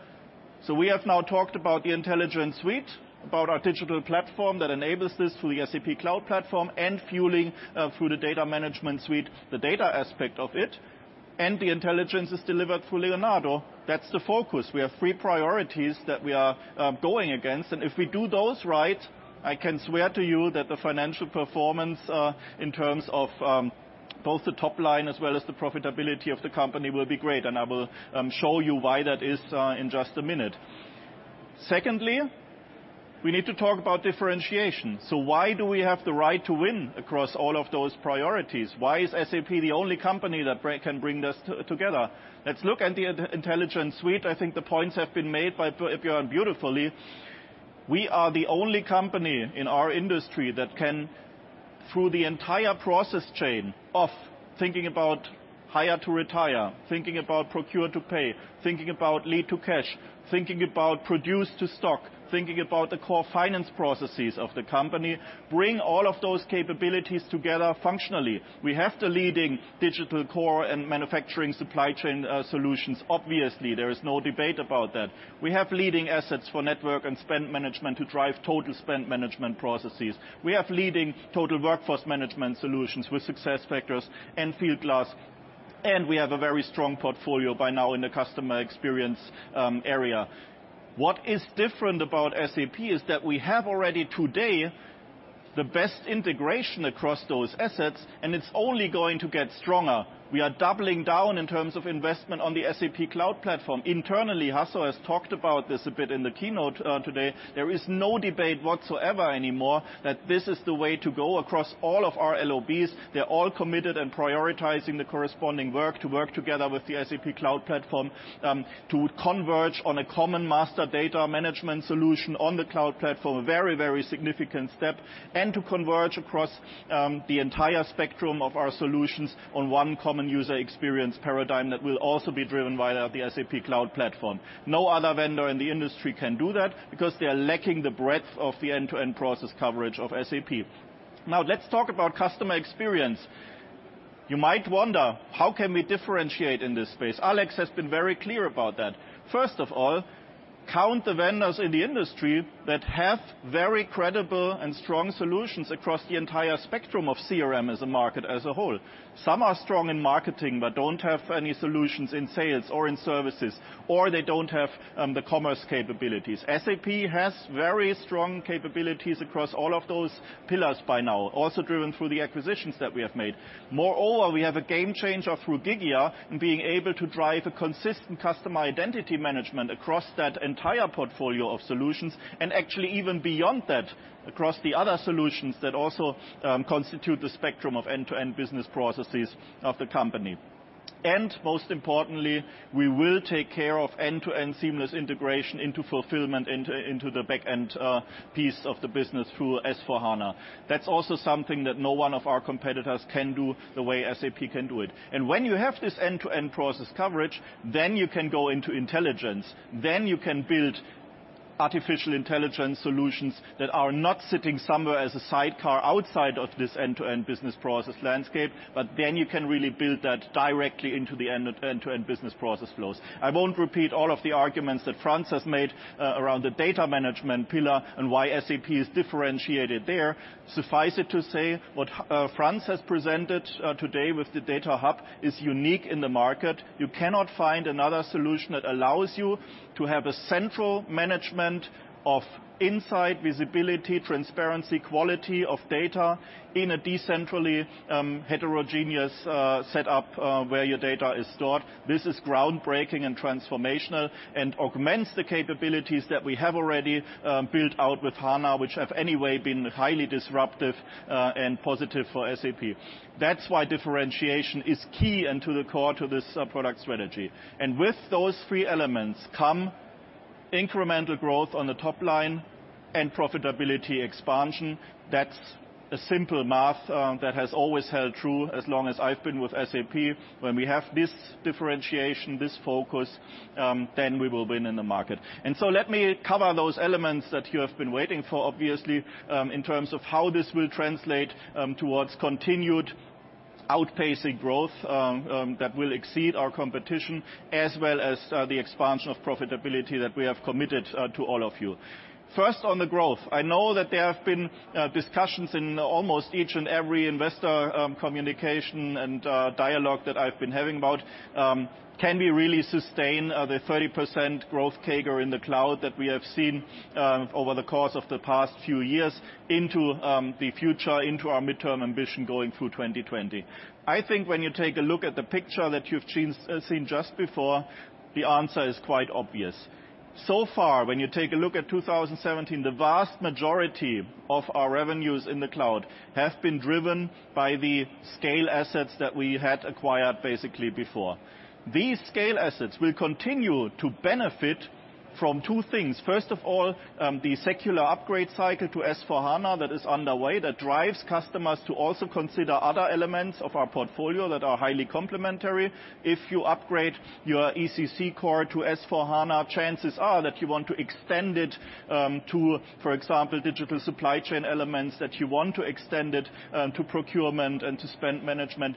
We have now talked about the Intelligent Suite, about our digital platform that enables this through the SAP Cloud Platform and fueling, through the Data Management Suite, the data aspect of it. The intelligence is delivered through Leonardo. That's the focus. We have three priorities that we are going against, and if we do those right, I can swear to you that the financial performance, in terms of both the top line as well as the profitability of the company, will be great. I will show you why that is in just a minute. We need to talk about differentiation. Why do we have the right to win across all of those priorities? Why is SAP the only company that can bring this together? Let's look at the Intelligent Suite. I think the points have been made by Björn beautifully. We are the only company in our industry that can, through the entire process chain of thinking about hire to retire, thinking about procure to pay, thinking about lead to cash, thinking about produce to stock, thinking about the core finance processes of the company, bring all of those capabilities together functionally. We have the leading digital core and manufacturing supply chain solutions, obviously. There is no debate about that. We have leading assets for network and spend management to drive total spend management processes. We have leading total workforce management solutions with SuccessFactors and Fieldglass, and we have a very strong portfolio by now in the customer experience area. What is different about SAP is that we have already today the best integration across those assets, and it's only going to get stronger. We are doubling down in terms of investment on the SAP Cloud Platform. Internally, Hasso has talked about this a bit in the keynote today. There is no debate whatsoever anymore that this is the way to go across all of our LOBs. They're all committed and prioritizing the corresponding work to work together with the SAP Cloud Platform to converge on a common master data management solution on the Cloud Platform, a very, very significant step. To converge across the entire spectrum of our solutions on one common user experience paradigm that will also be driven via the SAP Cloud Platform. No other vendor in the industry can do that because they're lacking the breadth of the end-to-end process coverage of SAP. Now let's talk about customer experience. You might wonder, how can we differentiate in this space? Alex has been very clear about that. First of all, count the vendors in the industry that have very credible and strong solutions across the entire spectrum of CRM as a market as a whole. Some are strong in marketing but don't have any solutions in sales or in services, or they don't have the commerce capabilities. SAP has very strong capabilities across all of those pillars by now, also driven through the acquisitions that we have made. Moreover, we have a game changer through Gigya in being able to drive a consistent customer identity management across that entire portfolio of solutions, and actually even beyond that, across the other solutions that also constitute the spectrum of end-to-end business processes of the company. Most importantly, we will take care of end-to-end seamless integration into fulfillment into the back end piece of the business through S/4HANA. That's also something that no one of our competitors can do the way SAP can do it. When you have this end-to-end process coverage, you can go into intelligence. You can build artificial intelligence solutions that are not sitting somewhere as a sidecar outside of this end-to-end business process landscape. You can really build that directly into the end-to-end business process flows. I won't repeat all of the arguments that Franz has made around the data management pillar and why SAP is differentiated there. Suffice it to say, what Franz has presented today with the Data Hub is unique in the market. You cannot find another solution that allows you to have a central management of insight, visibility, transparency, quality of data in a decentrally heterogeneous setup where your data is stored. This is groundbreaking and transformational and augments the capabilities that we have already built out with HANA, which have anyway been highly disruptive and positive for SAP. That's why differentiation is key and to the core to this product strategy. With those three elements come incremental growth on the top line and profitability expansion. That's a simple math that has always held true as long as I've been with SAP. When we have this differentiation, this focus, we will win in the market. Let me cover those elements that you have been waiting for, obviously, in terms of how this will translate towards continued outpacing growth that will exceed our competition, as well as the expansion of profitability that we have committed to all of you. First, on the growth, I know that there have been discussions in almost each and every investor communication and dialogue that I've been having about, can we really sustain the 30% growth CAGR in the cloud that we have seen over the course of the past few years into the future, into our midterm ambition going through 2020? I think when you take a look at the picture that you've seen just before, the answer is quite obvious. So far, when you take a look at 2017, the vast majority of our revenues in the cloud have been driven by the scale assets that we had acquired basically before. These scale assets will continue to benefit from two things. First of all, the secular upgrade cycle to S/4HANA that is underway, that drives customers to also consider other elements of our portfolio that are highly complementary. If you upgrade your ECC core to S/4HANA, chances are that you want to extend it to, for example, digital supply chain elements, that you want to extend it to procurement and to spend management.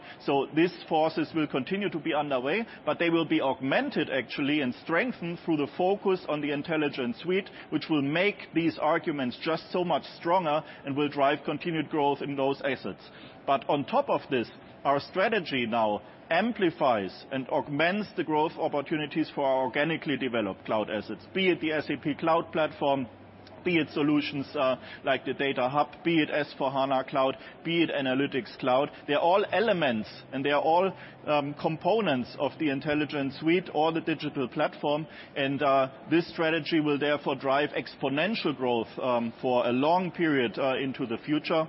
These forces will continue to be underway, but they will be augmented, actually, and strengthened through the focus on the Intelligent Suite, which will make these arguments just so much stronger and will drive continued growth in those assets. On top of this, our strategy now amplifies and augments the growth opportunities for our organically developed cloud assets. Be it the SAP Cloud Platform, be it solutions like the Data Hub, be it S/4HANA Cloud, be it Analytics Cloud. They're all elements and they are all components of the Intelligent Suite or the digital platform. This strategy will therefore drive exponential growth for a long period into the future.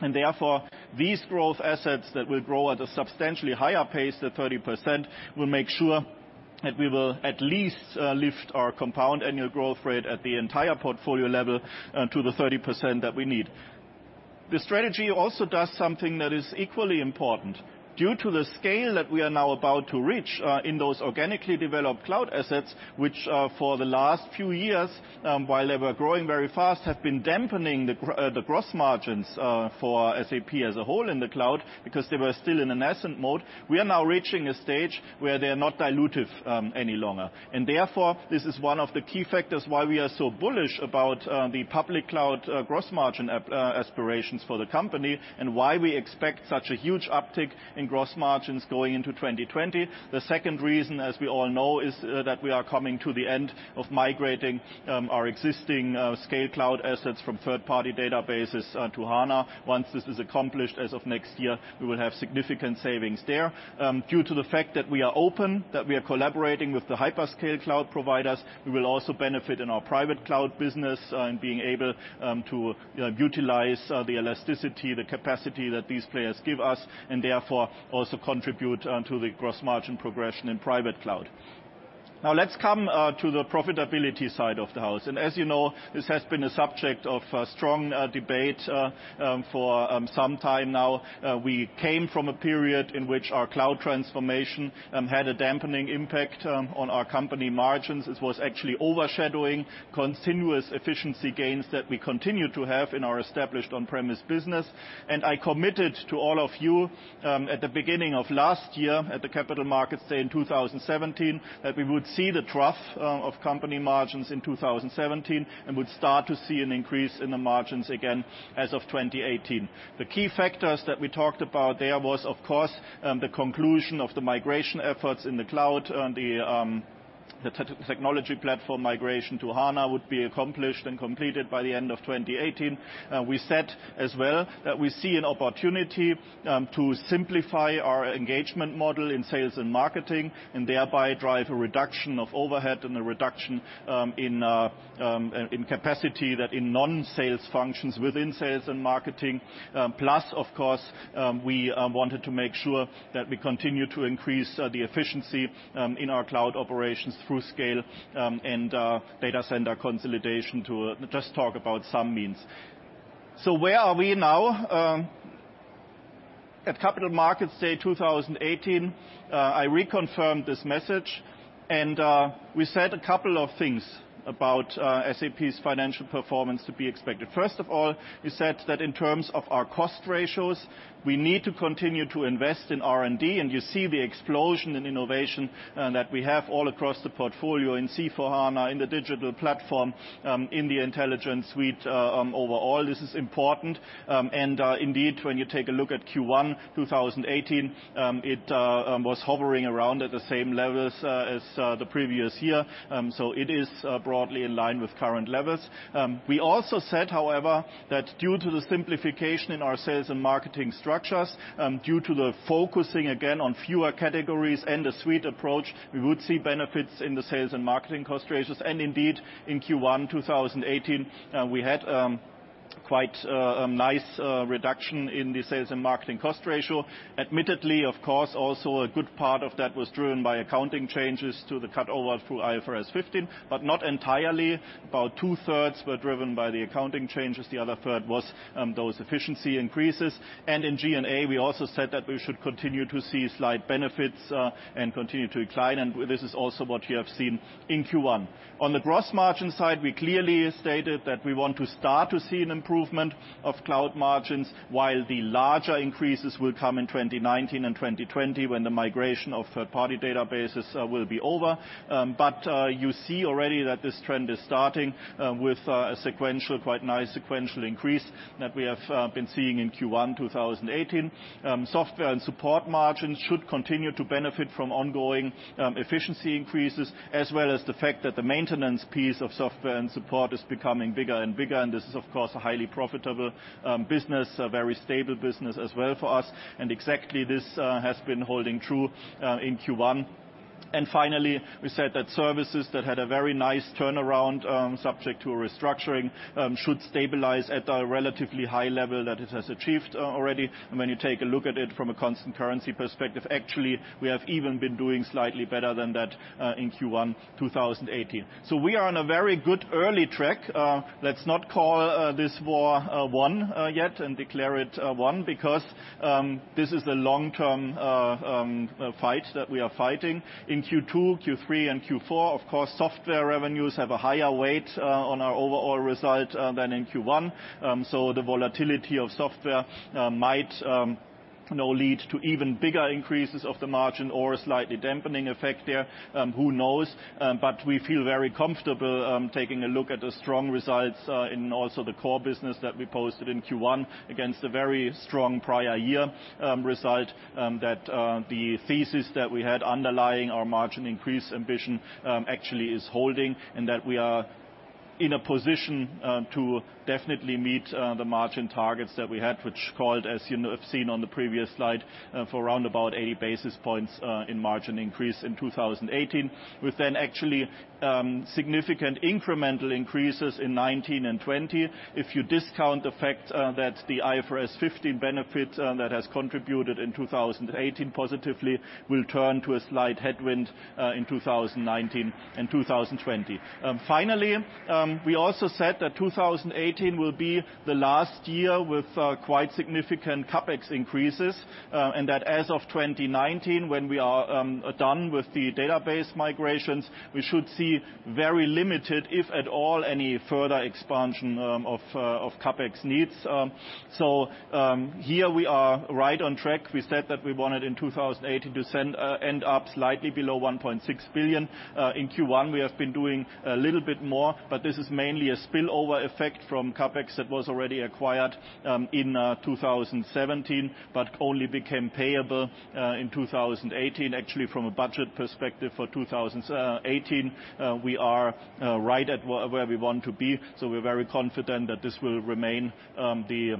Therefore, these growth assets that will grow at a substantially higher pace than 30% will make sure that we will at least lift our compound annual growth rate at the entire portfolio level to the 30% that we need. The strategy also does something that is equally important. Due to the scale that we are now about to reach in those organically developed cloud assets, which for the last few years, while they were growing very fast, have been dampening the gross margins for SAP as a whole in the cloud because they were still in an ascent mode. We are now reaching a stage where they are not dilutive any longer. Therefore, this is one of the key factors why we are so bullish about the public cloud gross margin aspirations for the company and why we expect such a huge uptick in gross margins going into 2020. The second reason, as we all know, is that we are coming to the end of migrating our existing scale cloud assets from third-party databases to HANA. Once this is accomplished, as of next year, we will have significant savings there. Due to the fact that we are open, that we are collaborating with the hyperscale cloud providers, we will also benefit in our private cloud business in being able to utilize the elasticity, the capacity that these players give us, and therefore, also contribute to the gross margin progression in private cloud. Let's come to the profitability side of the house. As you know, this has been a subject of strong debate for some time now. We came from a period in which our cloud transformation had a dampening impact on our company margins. It was actually overshadowing continuous efficiency gains that we continue to have in our established on-premise business. I committed to all of you at the beginning of last year at the Capital Markets Day in 2017, that we would see the trough of company margins in 2017 and would start to see an increase in the margins again as of 2018. The key factors that we talked about there was, of course, the conclusion of the migration efforts in the cloud, the technology platform migration to HANA would be accomplished and completed by the end of 2018. We said as well that we see an opportunity to simplify our engagement model in sales and marketing, thereby drive a reduction of overhead and a reduction in capacity that in non-sales functions within sales and marketing. Of course, we wanted to make sure that we continue to increase the efficiency in our cloud operations through scale and data center consolidation to just talk about some means. Where are we now? At Capital Markets Day 2018, I reconfirmed this message, we said a couple of things about SAP's financial performance to be expected. First of all, we said that in terms of our cost ratios, we need to continue to invest in R&D, you see the explosion in innovation that we have all across the portfolio in S/4HANA, in the digital platform, in the Intelligent Suite overall. This is important. Indeed, when you take a look at Q1 2018, it was hovering around at the same levels as the previous year. It is broadly in line with current levels. We also said, however, that due to the simplification in our sales and marketing structures, due to the focusing again on fewer categories and a suite approach, we would see benefits in the sales and marketing cost ratios. Indeed, in Q1 2018, we had quite a nice reduction in the sales and marketing cost ratio. Admittedly, of course, also a good part of that was driven by accounting changes to the cutover through IFRS 15, but not entirely. About two-thirds were driven by the accounting changes. The other third was those efficiency increases. In G&A, we also said that we should continue to see slight benefits and continue to decline, and this is also what you have seen in Q1. On the gross margin side, we clearly stated that we want to start to see an improvement of cloud margins while the larger increases will come in 2019 and 2020 when the migration of third-party databases will be over. You see already that this trend is starting with a quite nice sequential increase that we have been seeing in Q1 2018. Software and support margins should continue to benefit from ongoing efficiency increases, as well as the fact that the maintenance piece of software and support is becoming bigger and bigger, and this is, of course, a highly profitable business, a very stable business as well for us. Exactly this has been holding true in Q1. Finally, we said that services that had a very nice turnaround subject to a restructuring should stabilize at a relatively high level that it has achieved already. When you take a look at it from a constant currency perspective, actually, we have even been doing slightly better than that in Q1 2018. We are on a very good early track. Let's not call this war won yet and declare it won because this is the long-term fight that we are fighting. In Q2, Q3, and Q4, of course, software revenues have a higher weight on our overall result than in Q1. The volatility of software might now lead to even bigger increases of the margin or a slightly dampening effect there. Who knows? We feel very comfortable taking a look at the strong results in also the core business that we posted in Q1 against a very strong prior year result, that the thesis that we had underlying our margin increase ambition actually is holding, and that we are in a position to definitely meet the margin targets that we had, which called, as you have seen on the previous slide, for around about 80 basis points in margin increase in 2018, with then actually significant incremental increases in 2019 and 2020. If you discount the fact that the IFRS 15 benefit that has contributed in 2018 positively will turn to a slight headwind in 2019 and 2020. We also said that 2018 will be the last year with quite significant CapEx increases, and that as of 2019, when we are done with the database migrations, we should see very limited, if at all, any further expansion of CapEx needs. Here we are right on track. We said that we wanted in 2018 to end up slightly below 1.6 billion. In Q1, we have been doing a little bit more, but this is mainly a spillover effect from CapEx that was already acquired in 2017, but only became payable in 2018. From a budget perspective for 2018, we are right at where we want to be. We're very confident that this will remain the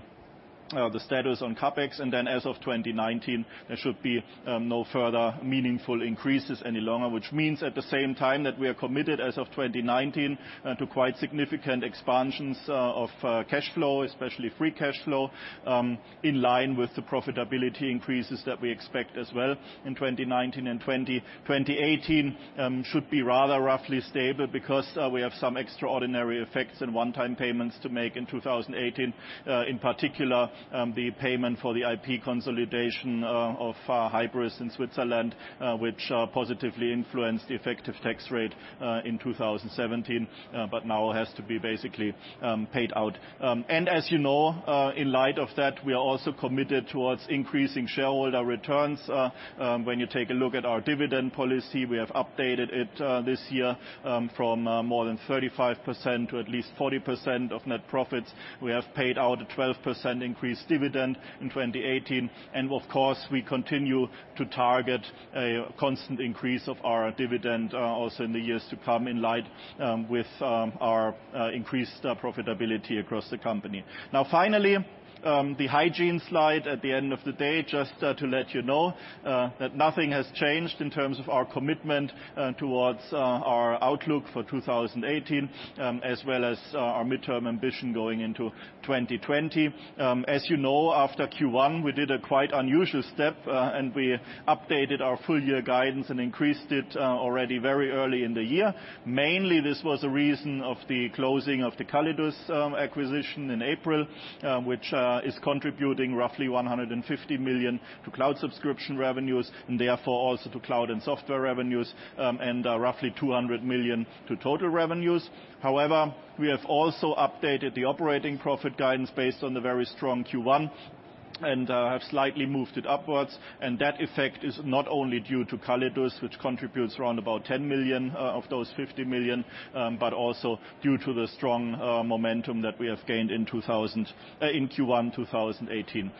status on CapEx. As of 2019, there should be no further meaningful increases any longer. Which means at the same time that we are committed as of 2019 to quite significant expansions of cash flow, especially free cash flow, in line with the profitability increases that we expect as well in 2019 and 2020. 2018 should be rather roughly stable because we have some extraordinary effects and one-time payments to make in 2018. In particular, the payment for the IP consolidation of Hybris in Switzerland, which positively influenced the effective tax rate in 2017, but now has to be basically paid out. As you know, in light of that, we are also committed towards increasing shareholder returns. When you take a look at our dividend policy, we have updated it this year from more than 35% to at least 40% of net profits. We have paid out a 12% increased dividend in 2018. Of course, we continue to target a constant increase of our dividend also in the years to come in light with our increased profitability across the company. Finally, the hygiene slide at the end of the day, just to let you know that nothing has changed in terms of our commitment towards our outlook for 2018, as well as our midterm ambition going into 2020. As you know, after Q1, we did a quite unusual step, and we updated our full year guidance and increased it already very early in the year. This was a reason of the closing of the Callidus acquisition in April, which is contributing roughly 150 million to cloud subscription revenues, and therefore also to cloud and software revenues, and roughly 200 million to total revenues. However, we have also updated the operating profit guidance based on the very strong Q1 and have slightly moved it upwards. That effect is not only due to Callidus, which contributes around about 10 million of those 50 million, but also due to the strong momentum that we have gained in Q1 2018.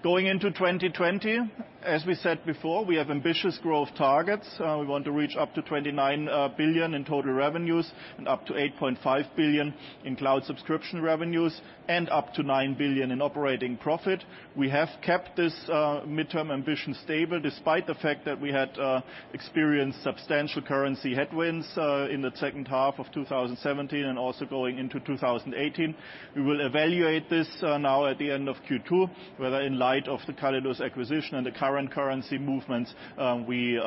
Going into 2020, as we said before, we have ambitious growth targets. We want to reach up to 29 billion in total revenues and up to 8.5 billion in cloud subscription revenues and up to 9 billion in operating profit. We have kept this midterm ambition stable despite the fact that we had experienced substantial currency headwinds in the second half of 2017 and also going into 2018. We will evaluate this now at the end of Q2, whether in light of the Callidus acquisition and the current currency movements, we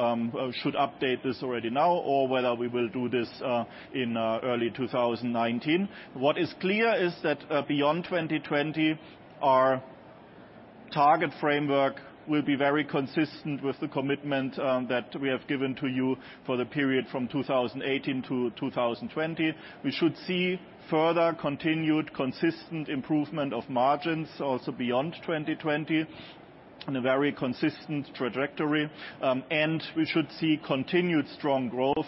should update this already now or whether we will do this in early 2019. What is clear is that beyond 2020, our target framework will be very consistent with the commitment that we have given to you for the period from 2018 to 2020. We should see further continued consistent improvement of margins also beyond 2020 on a very consistent trajectory. We should see continued strong growth.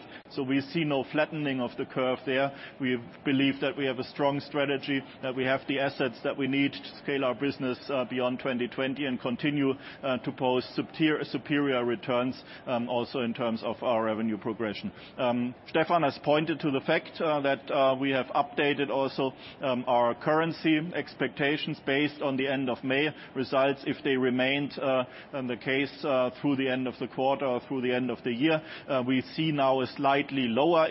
We see no flattening of the curve there. We believe that we have a strong strategy, that we have the assets that we need to scale our business beyond 2020 and continue to post superior returns also in terms of our revenue progression. Stefan has pointed to the fact that we have updated also our currency expectations based on the end of May results, if they remained the case through the end of the quarter or through the end of the year. We see now a slightly lower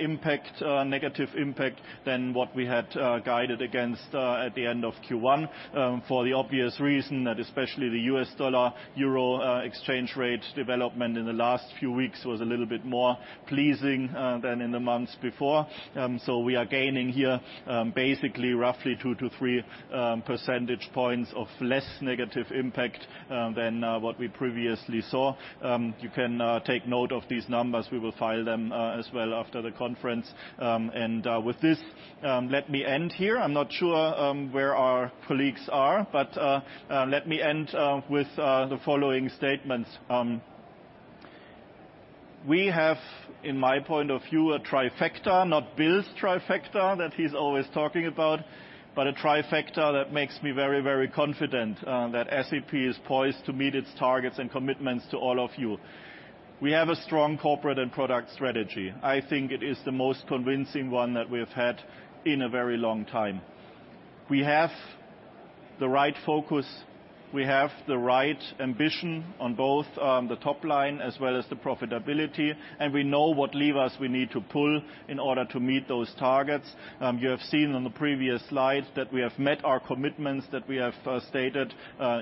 negative impact than what we had guided against at the end of Q1 for the obvious reason that especially the U.S. dollar-euro exchange rate development in the last few weeks was a little bit more pleasing than in the months before. We are gaining here basically roughly two to three percentage points of less negative impact than what we previously saw. You can take note of these numbers. We will file them as well after the conference. With this, let me end here. I'm not sure where our colleagues are, but let me end with the following statements. We have, in my point of view, a trifecta, not Bill's trifecta that he's always talking about, but a trifecta that makes me very, very confident that SAP is poised to meet its targets and commitments to all of you. We have a strong corporate and product strategy. I think it is the most convincing one that we have had in a very long time. We have the right focus. We have the right ambition on both the top line as well as the profitability, we know what levers we need to pull in order to meet those targets. You have seen on the previous slides that we have met our commitments that we have stated,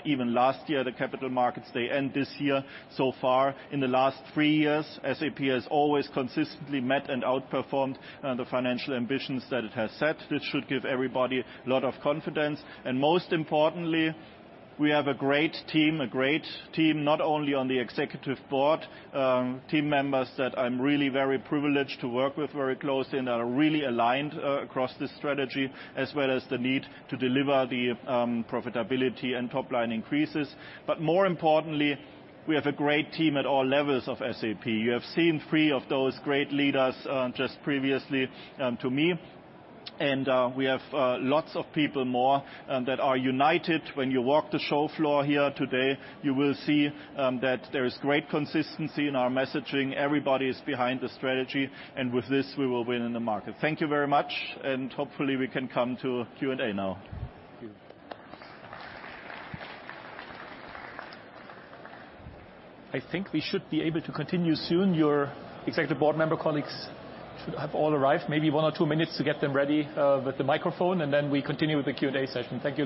even last year at the Capital Markets Day and this year so far. In the last three years, SAP has always consistently met and outperformed the financial ambitions that it has set. This should give everybody a lot of confidence. Most importantly, we have a great team. A great team, not only on the executive board, team members that I'm really very privileged to work with very closely and are really aligned across this strategy, as well as the need to deliver the profitability and top-line increases. More importantly, we have a great team at all levels of SAP. You have seen three of those great leaders just previously to me. We have lots of people more that are united. When you walk the show floor here today, you will see that there is great consistency in our messaging. Everybody is behind the strategy, and with this, we will win in the market. Thank you very much, and hopefully, we can come to Q&A now. I think we should be able to continue soon. Your executive board member colleagues should have all arrived. Maybe one or two minutes to get them ready with the microphone, and then we continue with the Q&A session. Thank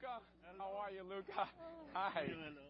you, Luka. Thank you. Hello, Luka. How are you, Luka?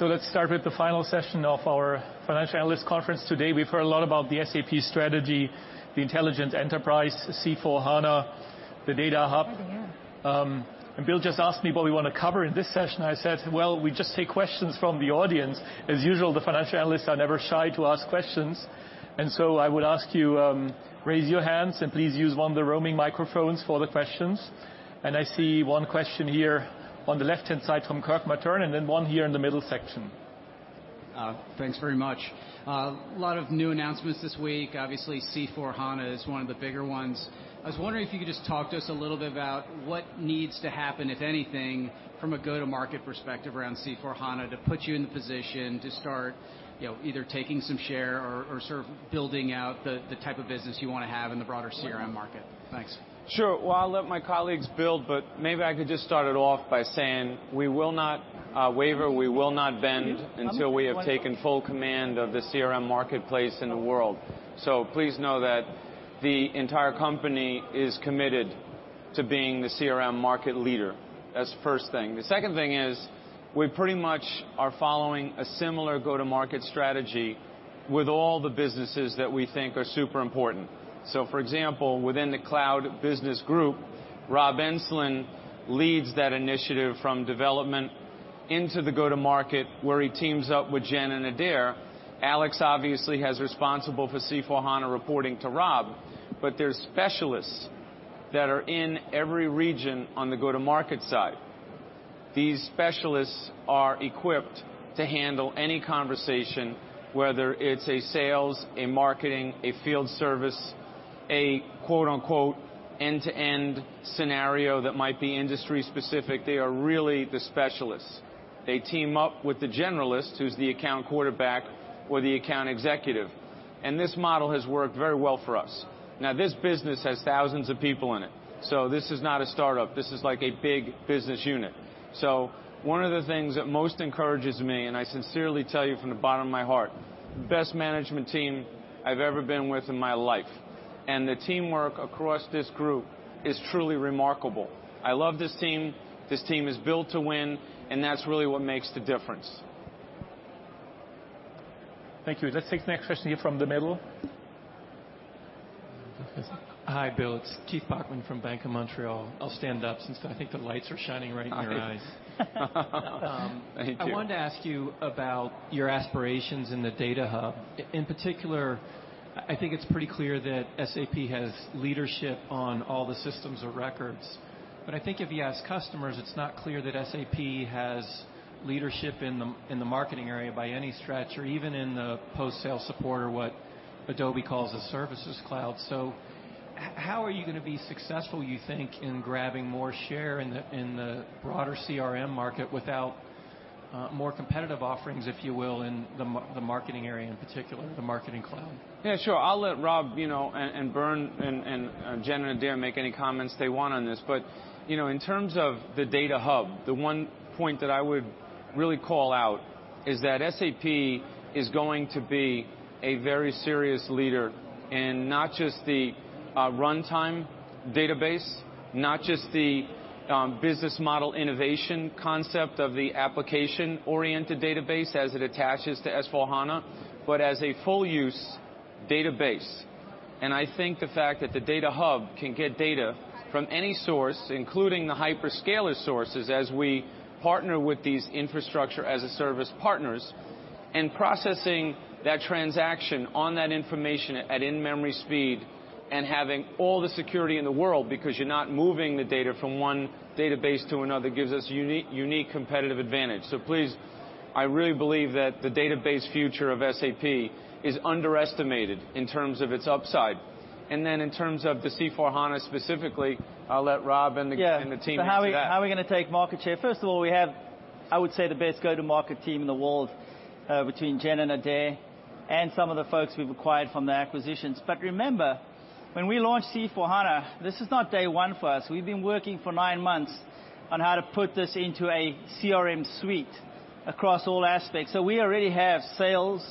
Hi. Let's start with the final session of our financial analyst conference today. We've heard a lot about the SAP strategy, the intelligent enterprise, C/4HANA, the Data Hub. Oh, yeah. Bill just asked me what we want to cover in this session. I said, "Well, we just take questions from the audience." As usual, the financial analysts are never shy to ask questions. I would ask you, raise your hands and please use one of the roaming microphones for the questions. I see one question here on the left-hand side from Kirk Materne, and then one here in the middle section. Thanks very much. A lot of new announcements this week. Obviously, C/4HANA is one of the bigger ones. I was wondering if you could just talk to us a little bit about what needs to happen, if anything, from a go-to-market perspective around C/4HANA to put you in the position to start either taking some share or sort of building out the type of business you want to have in the broader CRM market. Thanks. Sure. Well, I'll let my colleagues build, but maybe I could just start it off by saying we will not waver, we will not bend until we have taken full command of the CRM marketplace in the world. Please know that the entire company is committed to being the CRM market leader. That's the first thing. The second thing is we pretty much are following a similar go-to-market strategy with all the businesses that we think are super important. For example, within the cloud business group, Rob Enslin leads that initiative from development into the go-to-market, where he teams up with Jen and Adaire. Alex obviously has responsible for C/4HANA reporting to Rob, but there's specialists that are in every region on the go-to-market side. These specialists are equipped to handle any conversation, whether it's a sales, a marketing, a field service, an end-to-end scenario that might be industry specific. They are really the specialists. They team up with the generalist, who's the account quarterback or the account executive, and this model has worked very well for us. This business has thousands of people in it, so this is not a startup. This is like a big business unit. One of the things that most encourages me, and I sincerely tell you from the bottom of my heart, best management team I've ever been with in my life. The teamwork across this group is truly remarkable. I love this team. This team is built to win, and that's really what makes the difference. Thank you. Let's take the next question here from the middle. Hi, Bill. It's Keith Bachman from Bank of Montreal. I'll stand up since I think the lights are shining right in your eyes. Thank you. I wanted to ask you about your aspirations in the Data Hub. In particular, I think it's pretty clear that SAP has leadership on all the systems of records. I think if you ask customers, it's not clear that SAP has leadership in the marketing area by any stretch, or even in the post-sale support or what Adobe calls a services cloud. How are you going to be successful, you think, in grabbing more share in the broader CRM market without more competitive offerings, if you will, in the marketing area in particular, the Marketing Cloud? Yeah, sure. I'll let Rob, Bernd, Jen and Adaire make any comments they want on this. In terms of the Data Hub, the one point that I would really call out is that SAP is going to be a very serious leader in not just the runtime database, not just the business model innovation concept of the application-oriented database as it attaches to S/4HANA, but as a full-use database. I think the fact that the Data Hub can get data from any source, including the hyperscaler sources, as we partner with these infrastructure-as-a-service partners, and processing that transaction on that information at in-memory speed and having all the security in the world because you're not moving the data from one database to another, gives us unique competitive advantage. Please, I really believe that the database future of SAP is underestimated in terms of its upside. In terms of the C/4HANA specifically, I'll let Rob and the team answer that. Yeah. How are we going to take market share? First of all, we have, I would say, the best go-to-market team in the world, between Jen and Adaire and some of the folks we've acquired from the acquisitions. Remember, when we launched C/4HANA, this is not day one for us. We've been working for nine months on how to put this into a CRM suite across all aspects. We already have sales,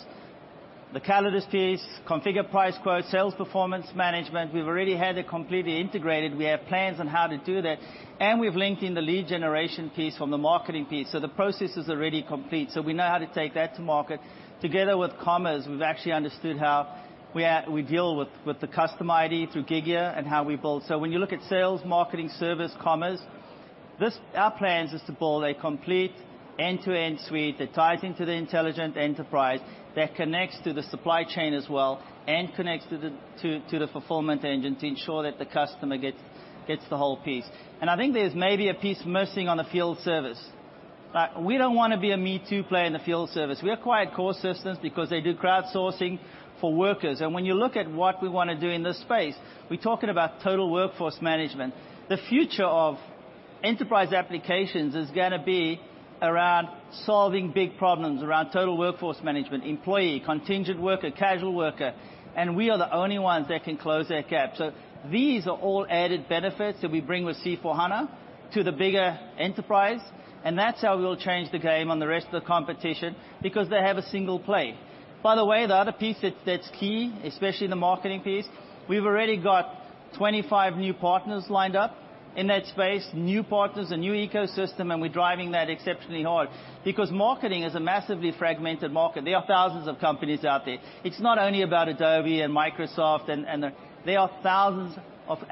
the Callidus piece, configure-price-quote, sales performance management. We've already had it completely integrated. We have plans on how to do that, and we've linked in the lead generation piece from the marketing piece. The process is already complete. We know how to take that to market. Together with Commerce, we've actually understood how we deal with the customer ID through Gigya and how we build. When you look at sales, marketing, service, Commerce, our plan is to build a complete end-to-end suite that ties into the intelligent enterprise, that connects to the supply chain as well, and connects to the fulfillment engine to ensure that the customer gets the whole piece. I think there's maybe a piece missing on the field service. We don't want to be a me too player in the field service. We acquired Coresystems because they do crowdsourcing for workers. When you look at what we want to do in this space, we're talking about total workforce management. The future of enterprise applications is going to be around solving big problems, around total workforce management, employee, contingent worker, casual worker, and we are the only ones that can close that gap. These are all added benefits that we bring with C/4HANA to the bigger enterprise, and that's how we'll change the game on the rest of the competition because they have a single play. By the way, the other piece that's key, especially the marketing piece, we've already got. 25 new partners lined up in that space, new partners, a new ecosystem, and we're driving that exceptionally hard because marketing is a massively fragmented market. There are thousands of companies out there. It's not only about Adobe and Microsoft. There are thousands,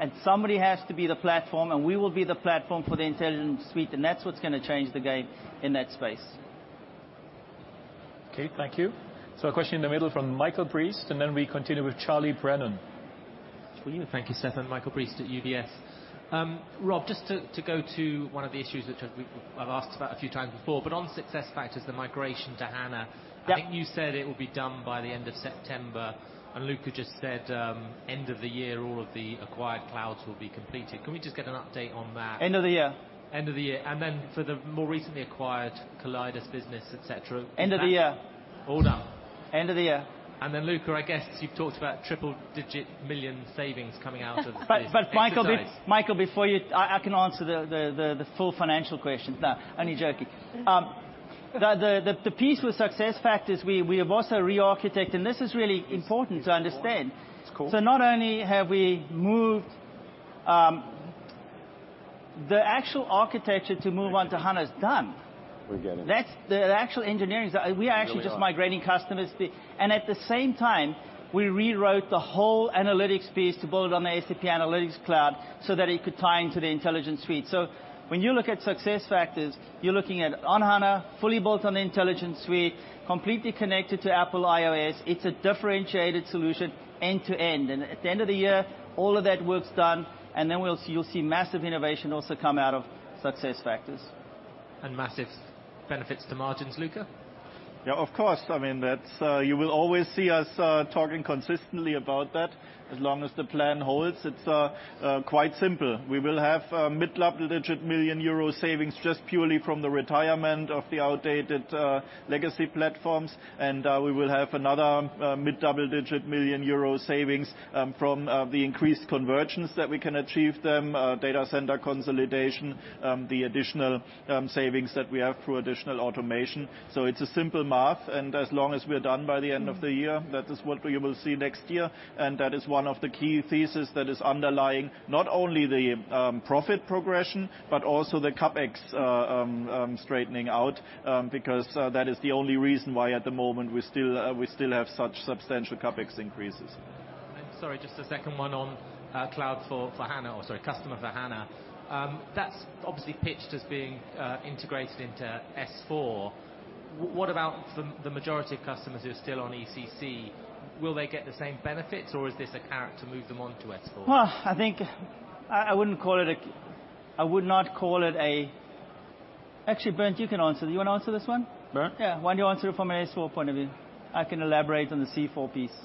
and somebody has to be the platform, and we will be the platform for the Intelligent Suite, and that's what's going to change the game in that space. Okay, thank you. A question in the middle from Michael Briest, and then we continue with Charlie Brennan. Thank you, Stefan. Michael Briest at UBS. Rob, just to go to one of the issues, which I've asked about a few times before, but on SuccessFactors, the migration to HANA. Yep. I think you said it will be done by the end of September, and Luka just said end of the year, all of the acquired clouds will be completed. Can we just get an update on that? End of the year. End of the year. For the more recently acquired Callidus business, et cetera. End of the year. All done? End of the year. Luka, I guess you've talked about triple digit million savings coming out of this exercise. Michael, I can answer the full financial question. No, only joking. The piece with SuccessFactors, we have also re-architected, and this is really important to understand. It's cool. Not only have we moved the actual architecture to move on to HANA is done. We get it. The actual engineering, we are actually just migrating customers. At the same time, we rewrote the whole analytics piece to build on the SAP Analytics Cloud so that it could tie into the Intelligent Suite. When you look at SuccessFactors, you're looking at on HANA, fully built on the Intelligent Suite, completely connected to Apple iOS. It's a differentiated solution end to end. At the end of the year, all of that work's done, and then you'll see massive innovation also come out of SuccessFactors. Massive benefits to margins, Luka? Yeah, of course. You will always see us talking consistently about that as long as the plan holds. It's quite simple. We will have mid double-digit million EUR savings just purely from the retirement of the outdated legacy platforms, we will have another mid double-digit million EUR savings from the increased convergence that we can achieve, data center consolidation, the additional savings that we have through additional automation. It's a simple math, as long as we're done by the end of the year, that is what we will see next year. That is one of the key thesis that is underlying not only the profit progression, but also the CapEx straightening out, because that is the only reason why at the moment we still have such substantial CapEx increases. Sorry, just a second one on C/4HANA, or sorry, Customer for HANA. That's obviously pitched as being integrated into S/4. What about for the majority of customers who are still on ECC? Will they get the same benefits, or is this a carrot to move them on to S/4? Well, I would not call it a Actually, Bernd, you can answer. You want to answer this one? Bernd? Yeah. Why don't you answer it from an S/4 point of view? I can elaborate on the C/4 piece.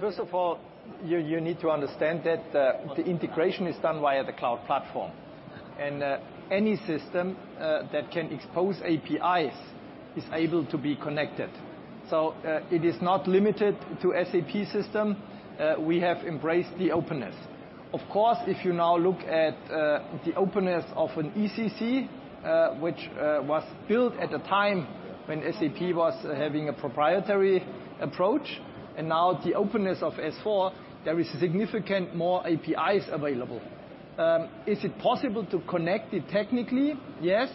First of all, you need to understand that the integration is done via the cloud platform. Any system that can expose APIs is able to be connected. It is not limited to SAP system. We have embraced the openness. Of course, if you now look at the openness of an ECC, which was built at a time when SAP was having a proprietary approach, now the openness of S/4, there is significant more APIs available. Is it possible to connect it technically? Yes,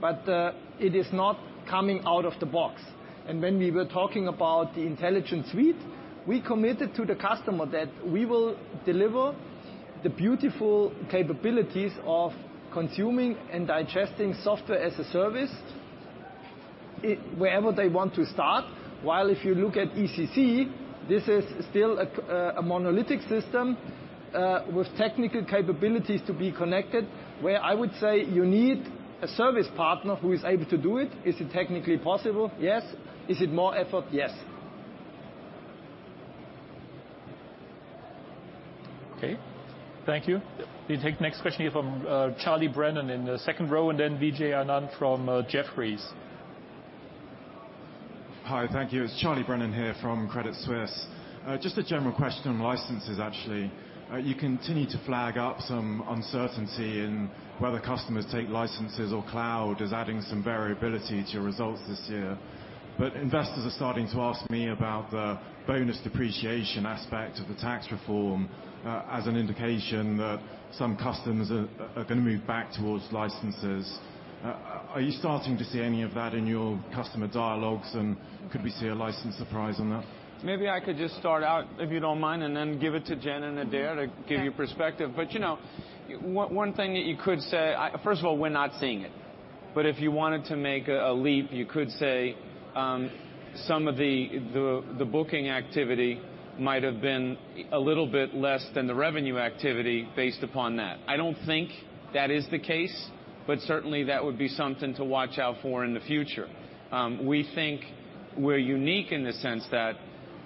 but it is not coming out of the box. When we were talking about the Intelligent Suite, we committed to the customer that we will deliver the beautiful capabilities of consuming and digesting software as a service wherever they want to start. While if you look at ECC, this is still a monolithic system, with technical capabilities to be connected, where I would say you need a service partner who is able to do it. Is it technically possible? Yes. Is it more effort? Yes. Okay. Thank you. We take next question here from Charlie Brennan in the second row, then Vijay Anand from Jefferies. Hi, thank you. It's Charles Brennan here from Credit Suisse. Just a general question on licenses, actually. You continue to flag up some uncertainty in whether customers take licenses or cloud is adding some variability to your results this year. Investors are starting to ask me about the bonus depreciation aspect of the tax reform, as an indication that some customers are going to move back towards licenses. Are you starting to see any of that in your customer dialogues, and could we see a license surprise on that? Maybe I could just start out, if you don't mind, and then give it to Jen and Adaire to give you perspective. One thing that you could say, first of all, we're not seeing it, if you wanted to make a leap, you could say, some of the booking activity might have been a little bit less than the revenue activity based upon that. I don't think that is the case, certainly, that would be something to watch out for in the future. We think we're unique in the sense that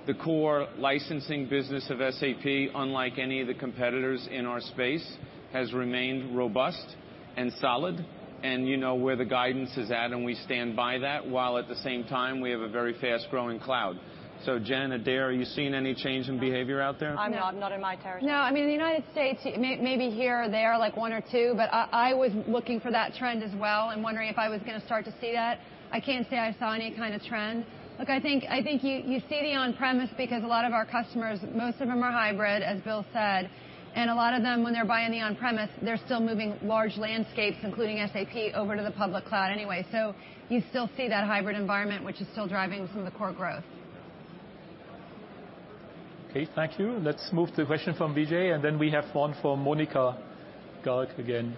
the core licensing business of SAP, unlike any of the competitors in our space, has remained robust and solid, and you know where the guidance is at, and we stand by that. While at the same time, we have a very fast-growing cloud. Jen, Adaire, are you seeing any change in behavior out there? I'm not in my territory. I mean, the United States, maybe here or there, one or two, I was looking for that trend as well and wondering if I was going to start to see that. I can't say I saw any kind of trend. Look, I think you see the on-premise because a lot of our customers, most of them are hybrid, as Bill said. A lot of them, when they're buying the on-premise, they're still moving large landscapes, including SAP, over to the public cloud anyway. You still see that hybrid environment, which is still driving some of the core growth. Okay, thank you. Let's move to a question from Vijay, we have one from Monika Garg again.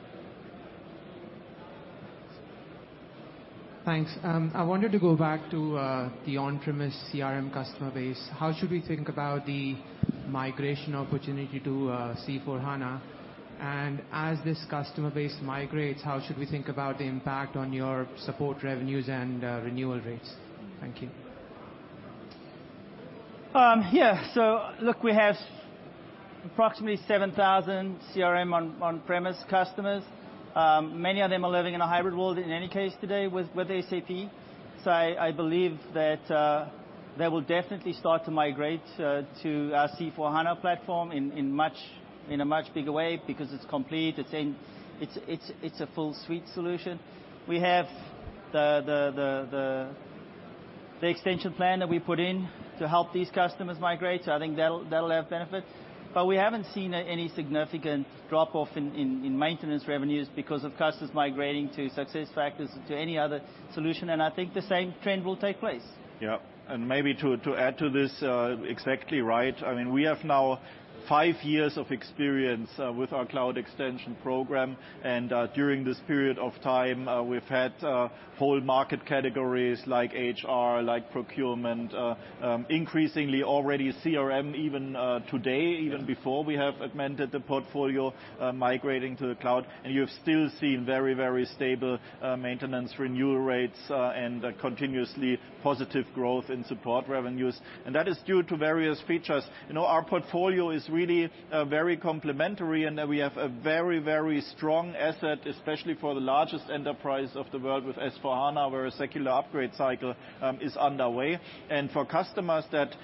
Thanks. I wanted to go back to the on-premise CRM customer base. How should we think about the migration opportunity to C/4HANA? As this customer base migrates, how should we think about the impact on your support revenues and renewal rates? Thank you. Yeah. Look, we have approximately 7,000 CRM on-premise customers. Many of them are living in a hybrid world in any case today with SAP. I believe that they will definitely start to migrate to our C/4HANA platform in a much bigger way because it's complete, it's a full suite solution. We have the extension plan that we put in to help these customers migrate, I think that'll have benefit. We haven't seen any significant drop-off in maintenance revenues because of customers migrating to SAP SuccessFactors, to any other solution, and I think the same trend will take place. Yeah. Maybe to add to this, exactly right. We have now five years of experience with our cloud extension program, during this period of time, we've had whole market categories like HR, like procurement, increasingly already CRM, even today. Yes even before we have augmented the portfolio, migrating to the cloud. You've still seen very stable maintenance renewal rates and continuously positive growth in support revenues. That is due to various features. Our portfolio is really very complementary in that we have a very strong asset, especially for the largest enterprise of the world with SAP S/4HANA, where a secular upgrade cycle is underway. For customers that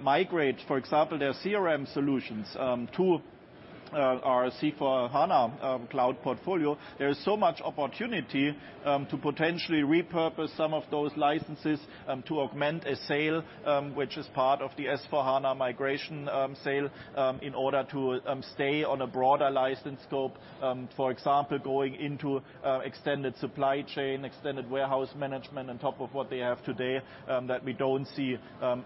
migrate, for example, their CRM solutions to our C/4HANA Cloud portfolio, there is so much opportunity to potentially repurpose some of those licenses to augment a sale, which is part of the SAP S/4HANA migration sale, in order to stay on a broader license scope. For example, going into extended supply chain, extended warehouse management on top of what they have today, that we don't see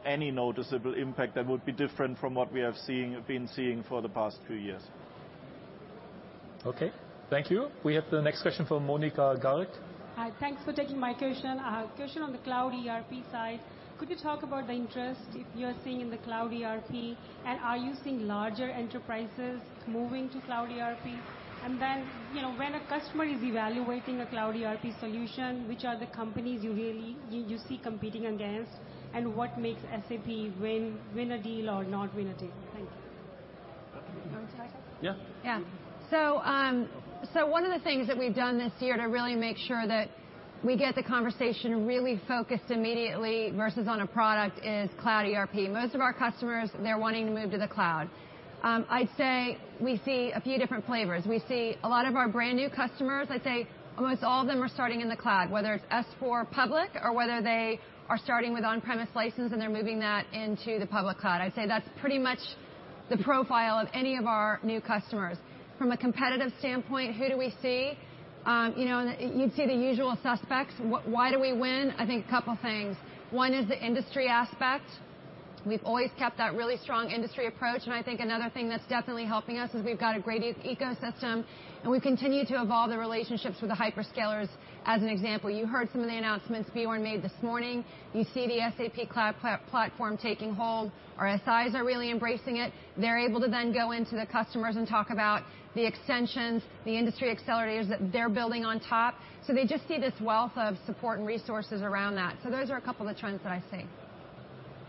any noticeable impact that would be different from what we have been seeing for the past few years. Okay. Thank you. We have the next question from Monika Garg. Hi, thanks for taking my question. A question on the cloud ERP side. Could you talk about the interest you're seeing in the cloud ERP, are you seeing larger enterprises moving to cloud ERP? Then, when a customer is evaluating a cloud ERP solution, which are the companies you see competing against, and what makes SAP win a deal or not win a deal? Thank you. Want me to take this? Yeah. Yeah. One of the things that we've done this year to really make sure that we get the conversation really focused immediately versus on a product is cloud ERP. Most of our customers, they're wanting to move to the cloud. I'd say we see a few different flavors. We see a lot of our brand-new customers, I'd say almost all of them are starting in the cloud, whether it's S/4 public or whether they are starting with on-premise license and they're moving that into the public cloud. I'd say that's pretty much the profile of any of our new customers. From a competitive standpoint, who do we see? You'd see the usual suspects. Why do we win? I think a couple things. One is the industry aspect. We've always kept that really strong industry approach. I think another thing that's definitely helping us is we've got a great ecosystem, and we continue to evolve the relationships with the hyperscalers. As an example, you heard some of the announcements Björn made this morning. You see the SAP Cloud Platform taking hold. Our SIs are really embracing it. They're able to then go into the customers and talk about the extensions, the industry accelerators that they're building on top. Those are a couple of the trends that I see.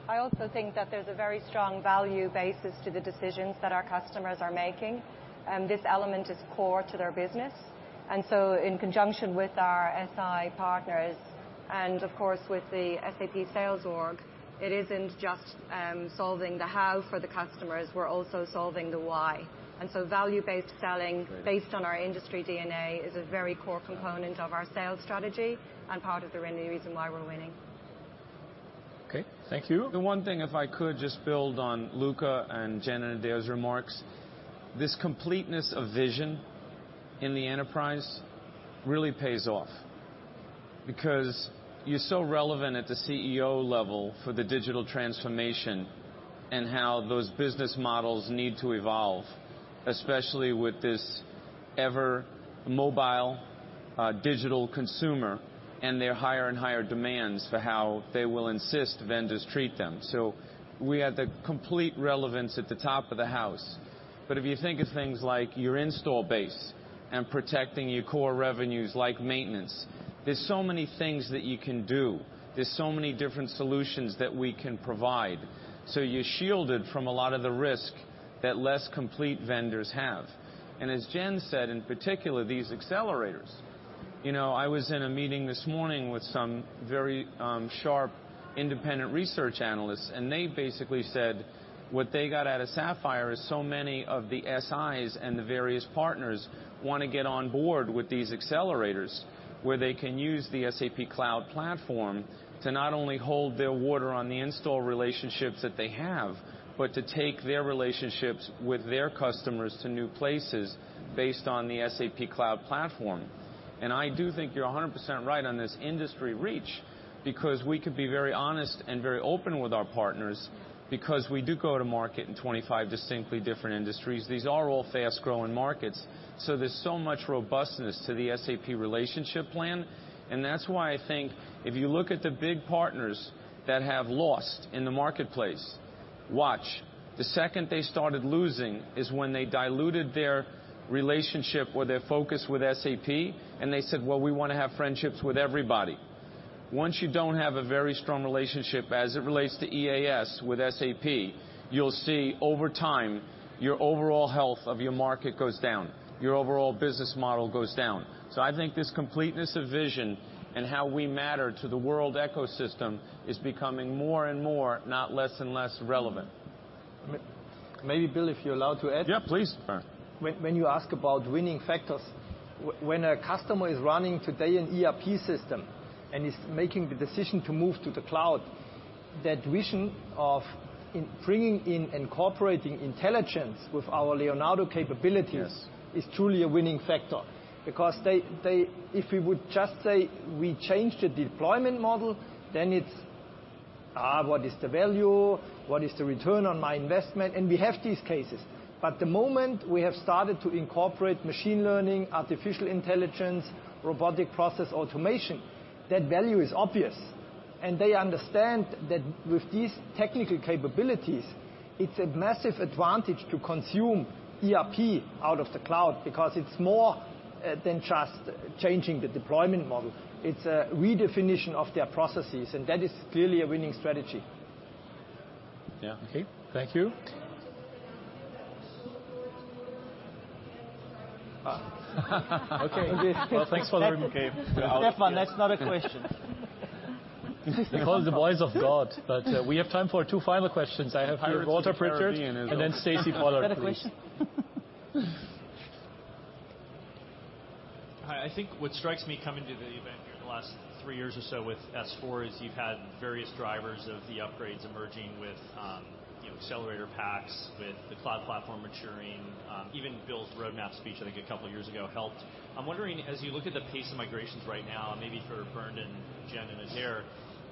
I also think that there's a very strong value basis to the decisions that our customers are making. This element is core to their business. In conjunction with our SI partners, and of course, with the SAP sales org, it isn't just solving the how for the customers, we're also solving the why. Value-based selling based on our industry DNA is a very core component of our sales strategy and part of the reason why we're winning. Okay. Thank you. The one thing, if I could just build on Luka and Jen and Adaire's remarks. This completeness of vision in the enterprise really pays off because you are so relevant at the CEO level for the digital transformation and how those business models need to evolve, especially with this ever-mobile, digital consumer and their higher and higher demands for how they will insist vendors treat them. We have the complete relevance at the top of the house. If you think of things like your install base and protecting your core revenues, like maintenance, there are so many things that you can do. There are so many different solutions that we can provide. You are shielded from a lot of the risk that less complete vendors have. As Jen said, in particular, these accelerators. I was in a meeting this morning with some very sharp independent research analysts, and they basically said what they got out of SAPPHIRE is so many of the SIs and the various partners want to get on board with these accelerators where they can use the SAP Cloud Platform to not only hold their water on the install relationships that they have, but to take their relationships with their customers to new places based on the SAP Cloud Platform. I do think you're 100% right on this industry reach, because we could be very honest and very open with our partners because we do go to market in 25 distinctly different industries. These are all fast-growing markets. There is so much robustness to the SAP relationship plan. That's why I think if you look at the big partners that have lost in the marketplace, watch. The second they started losing is when they diluted their relationship or their focus with SAP, and they said, "Well, we want to have friendships with everybody." Once you do not have a very strong relationship as it relates to EAS with SAP, you will see over time, your overall health of your market goes down, your overall business model goes down. I think this completeness of vision and how we matter to the world ecosystem is becoming more and more, not less and less relevant. Maybe Bill, if you're allowed to add? Yeah, please. When you ask about winning factors, when a customer is running today an ERP system and is making the decision to move to the cloud, that vision of bringing in, incorporating intelligence with our SAP Leonardo capabilities. Yes It is truly a winning factor. If we would just say we changed the deployment model, then it's, what is the value? What is the return on my investment? We have these cases. The moment we have started to incorporate machine learning, artificial intelligence, robotic process automation, that value is obvious, and they understand that with these technical capabilities, it's a massive advantage to consume ERP out of the cloud because it's more than just changing the deployment model. It's a redefinition of their processes, and that is clearly a winning strategy. Yeah. Okay. Thank you. Okay. Well, thanks for that. Okay. Stefan, that's not a question. The voice of God. We have time for two final questions. I have here Walter Pritchard and then Stacy Pollard, please. Is that a question? Hi. I think what strikes me coming to the event here the last three years or so with S/4 is you've had various drivers of the upgrades emerging with accelerator packs, with the cloud platform maturing. Even Bill's roadmap speech I think a couple of years ago helped. I'm wondering, as you look at the pace of migrations right now, and maybe for Bernd and Jen and Adaire,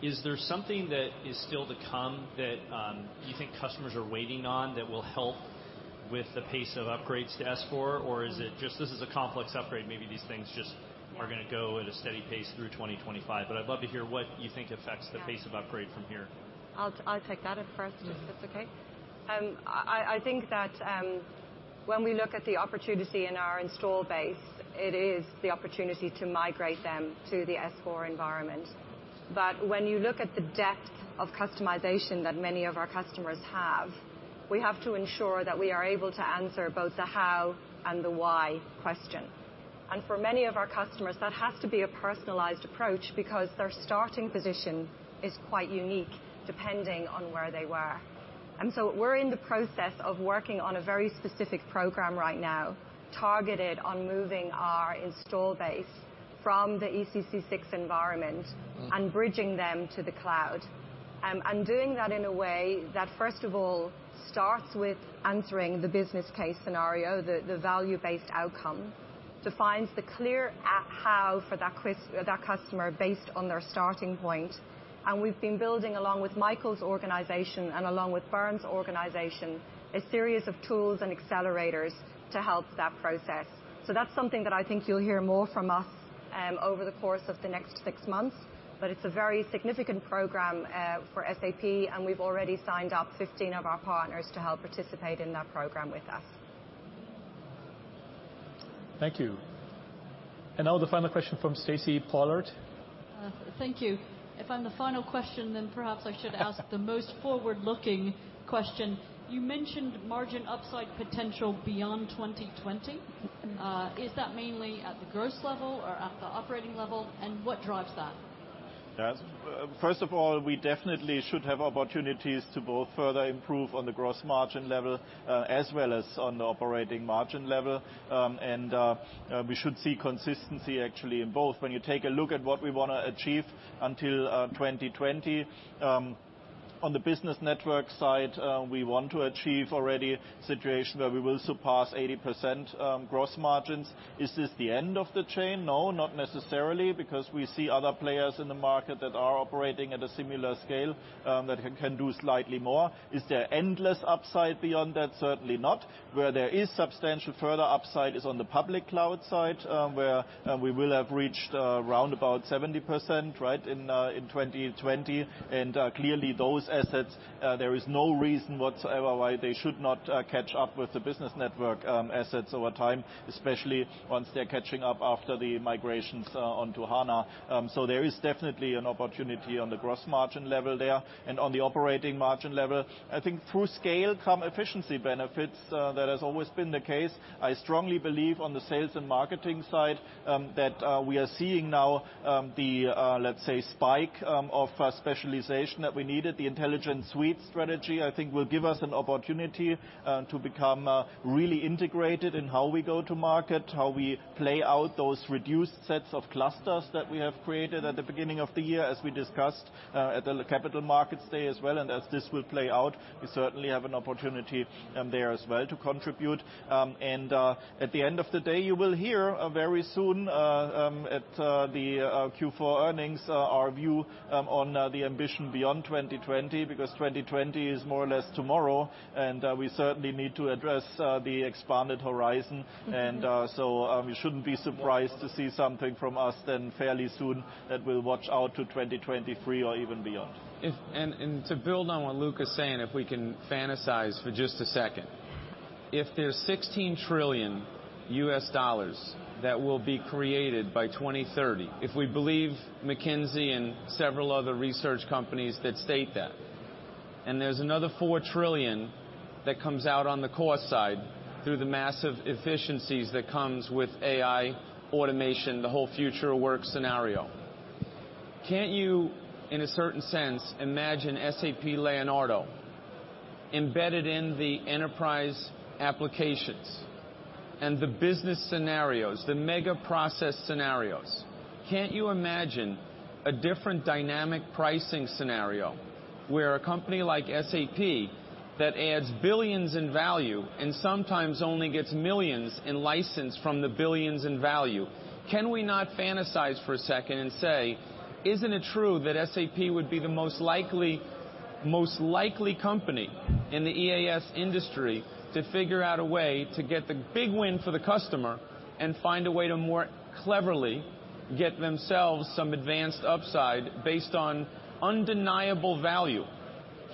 is there something that is still to come that you think customers are waiting on that will help with the pace of upgrades to S/4? Or is it just this is a complex upgrade, maybe these things just are going to go at a steady pace through 2025. I'd love to hear what you think affects the pace of upgrade from here. I'll take that up first, if that's okay. I think that when we look at the opportunity in our install base, it is the opportunity to migrate them to the S/4 environment. When you look at the depth of customization that many of our customers have, we have to ensure that we are able to answer both the how and the why question. For many of our customers, that has to be a personalized approach because their starting position is quite unique depending on where they were. We're in the process of working on a very specific program right now targeted on moving our install base from the ECC 6 environment and bridging them to the cloud. Doing that in a way that, first of all, starts with answering the business case scenario, the value-based outcome, defines the clear how for that customer based on their starting point. We've been building, along with Michael's organization and along with Bernd's organization, a series of tools and accelerators to help that process. That's something that I think you'll hear more from us over the course of the next six months. It's a very significant program for SAP, and we've already signed up 15 of our partners to help participate in that program with us. Thank you. Now the final question from Stacy Pollard. Thank you. If I'm the final question, perhaps I should ask the most forward-looking question. You mentioned margin upside potential beyond 2020. Is that mainly at the gross level or at the operating level? What drives that? Yes. First of all, we definitely should have opportunities to both further improve on the gross margin level, as well as on the operating margin level. We should see consistency actually in both. When you take a look at what we want to achieve until 2020 On the Business Network side, we want to achieve already a situation where we will surpass 80% gross margins. Is this the end of the chain? No, not necessarily, because we see other players in the market that are operating at a similar scale that can do slightly more. Is there endless upside beyond that? Certainly not. Where there is substantial further upside is on the public cloud side, where we will have reached around about 70% right in 2020. Clearly those assets, there is no reason whatsoever why they should not catch up with the Business Network assets over time, especially once they're catching up after the migrations onto HANA. There is definitely an opportunity on the gross margin level there and on the operating margin level. I think through scale come efficiency benefits. That has always been the case. I strongly believe on the sales and marketing side, that we are seeing now the, let's say, spike of specialization that we needed. The Intelligent Suite strategy, I think will give us an opportunity to become really integrated in how we go to market, how we play out those reduced sets of clusters that we have created at the beginning of the year, as we discussed at the Capital Markets Day as well. As this will play out, we certainly have an opportunity there as well to contribute. At the end of the day, you will hear very soon, at the Q4 earnings, our view on the ambition beyond 2020. Because 2020 is more or less tomorrow, we certainly need to address the expanded horizon. We shouldn't be surprised to see something from us then fairly soon that will watch out to 2023 or even beyond. To build on what Luka is saying, if there is $16 trillion that will be created by 2030, if we believe McKinsey & Company and several other research companies that state that, and there is another $4 trillion that comes out on the cost side through the massive efficiencies that comes with AI automation, the whole future of work scenario. Can't you, in a certain sense, imagine SAP Leonardo embedded in the enterprise applications and the business scenarios, the mega process scenarios? Can't you imagine a different dynamic pricing scenario where a company like SAP that adds billions in value and sometimes only gets millions in license from the billions in value? Can we not fantasize for a second and say, is it not true that SAP would be the most likely company in the EAS industry to figure out a way to get the big win for the customer and find a way to more cleverly get themselves some advanced upside based on undeniable value?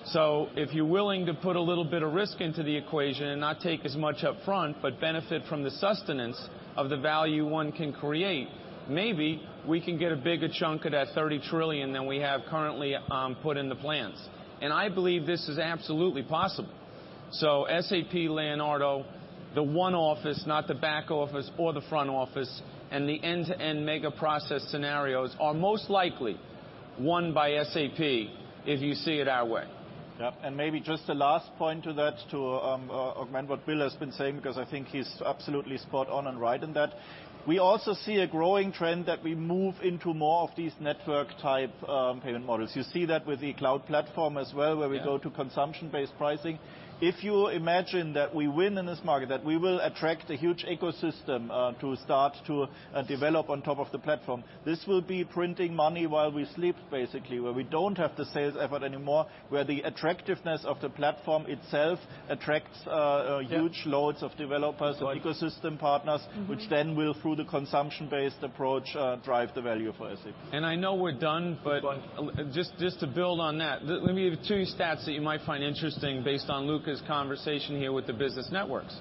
If you are willing to put a little bit of risk into the equation and not take as much upfront, but benefit from the sustenance of the value one can create, maybe we can get a bigger chunk of that $20 trillion than we have currently put in the plans. I believe this is absolutely possible. SAP Leonardo, the one office, not the back office or the front office, and the end-to-end mega process scenarios are most likely won by SAP if you see it our way. Yep. Maybe just the last point to that, to augment what Bill has been saying, because I think he is absolutely spot on and right in that. We also see a growing trend that we move into more of these network type payment models. You see that with the SAP Cloud Platform as well Yeah where we go to consumption-based pricing. If you imagine that we win in this market, that we will attract a huge ecosystem to start to develop on top of the platform. This will be printing money while we sleep, basically, where we do not have the sales effort anymore, where the attractiveness of the platform itself attracts huge. Yep loads of developers. Right Ecosystem partners, which then will, through the consumption-based approach, drive the value for SAP. I know we're done. We're done. Just to build on that. Let me give two stats that you might find interesting based on Luka's conversation here with the business networks.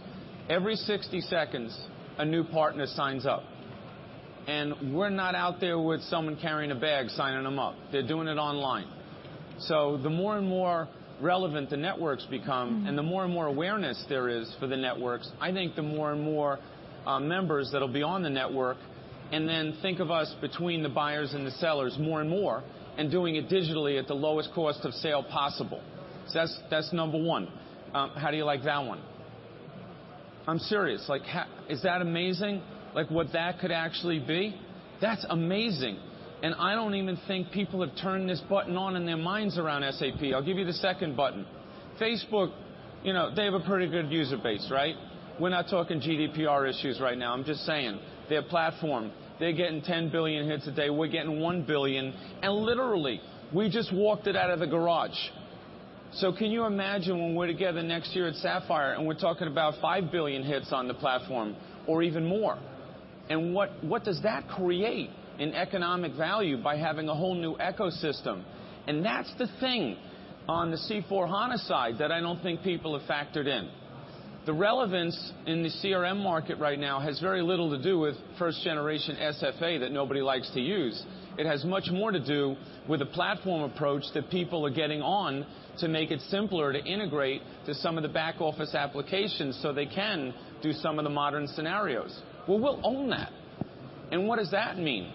Every 60 seconds, a new partner signs up, and we're not out there with someone carrying a bag, signing them up. They're doing it online. The more and more relevant the networks become, and the more and more awareness there is for the networks, I think the more and more members that'll be on the network. Then think of us between the buyers and the sellers more and more, and doing it digitally at the lowest cost of sale possible. That's number one. How do you like that one? I'm serious. Like how, is that amazing? Like what that could actually be? That's amazing. I don't even think people have turned this button on in their minds around SAP. I'll give you the second button. Facebook, they have a pretty good user base, right? We're not talking GDPR issues right now. I'm just saying. Their platform, they're getting 10 billion hits a day. We're getting 1 billion, and literally we just walked it out of the garage. Can you imagine when we're together next year at SAPPHIRE and we're talking about 5 billion hits on the platform, or even more? What does that create in economic value by having a whole new ecosystem? That's the thing on the C/4HANA side that I don't think people have factored in. The relevance in the CRM market right now has very little to do with first generation SFA that nobody likes to use. It has much more to do with a platform approach that people are getting on to make it simpler to integrate to some of the back office applications so they can do some of the modern scenarios. Well, we'll own that. What does that mean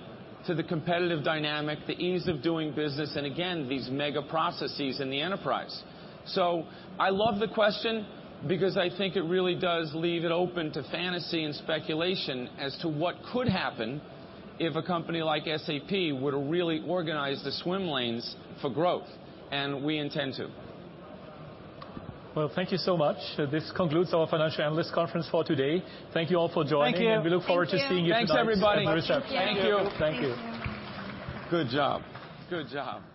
to the competitive dynamic, the ease of doing business, and again, these mega processes in the enterprise? I love the question because I think it really does leave it open to fantasy and speculation as to what could happen if a company like SAP were to really organize the swim lanes for growth, we intend to. Well, thank you so much. This concludes our financial analyst conference for today. Thank you all for joining. Thank you. We look forward to seeing you tonight. Thanks, everybody. At the reception. Thank you. Thank you. Thank you. Good job. Good job.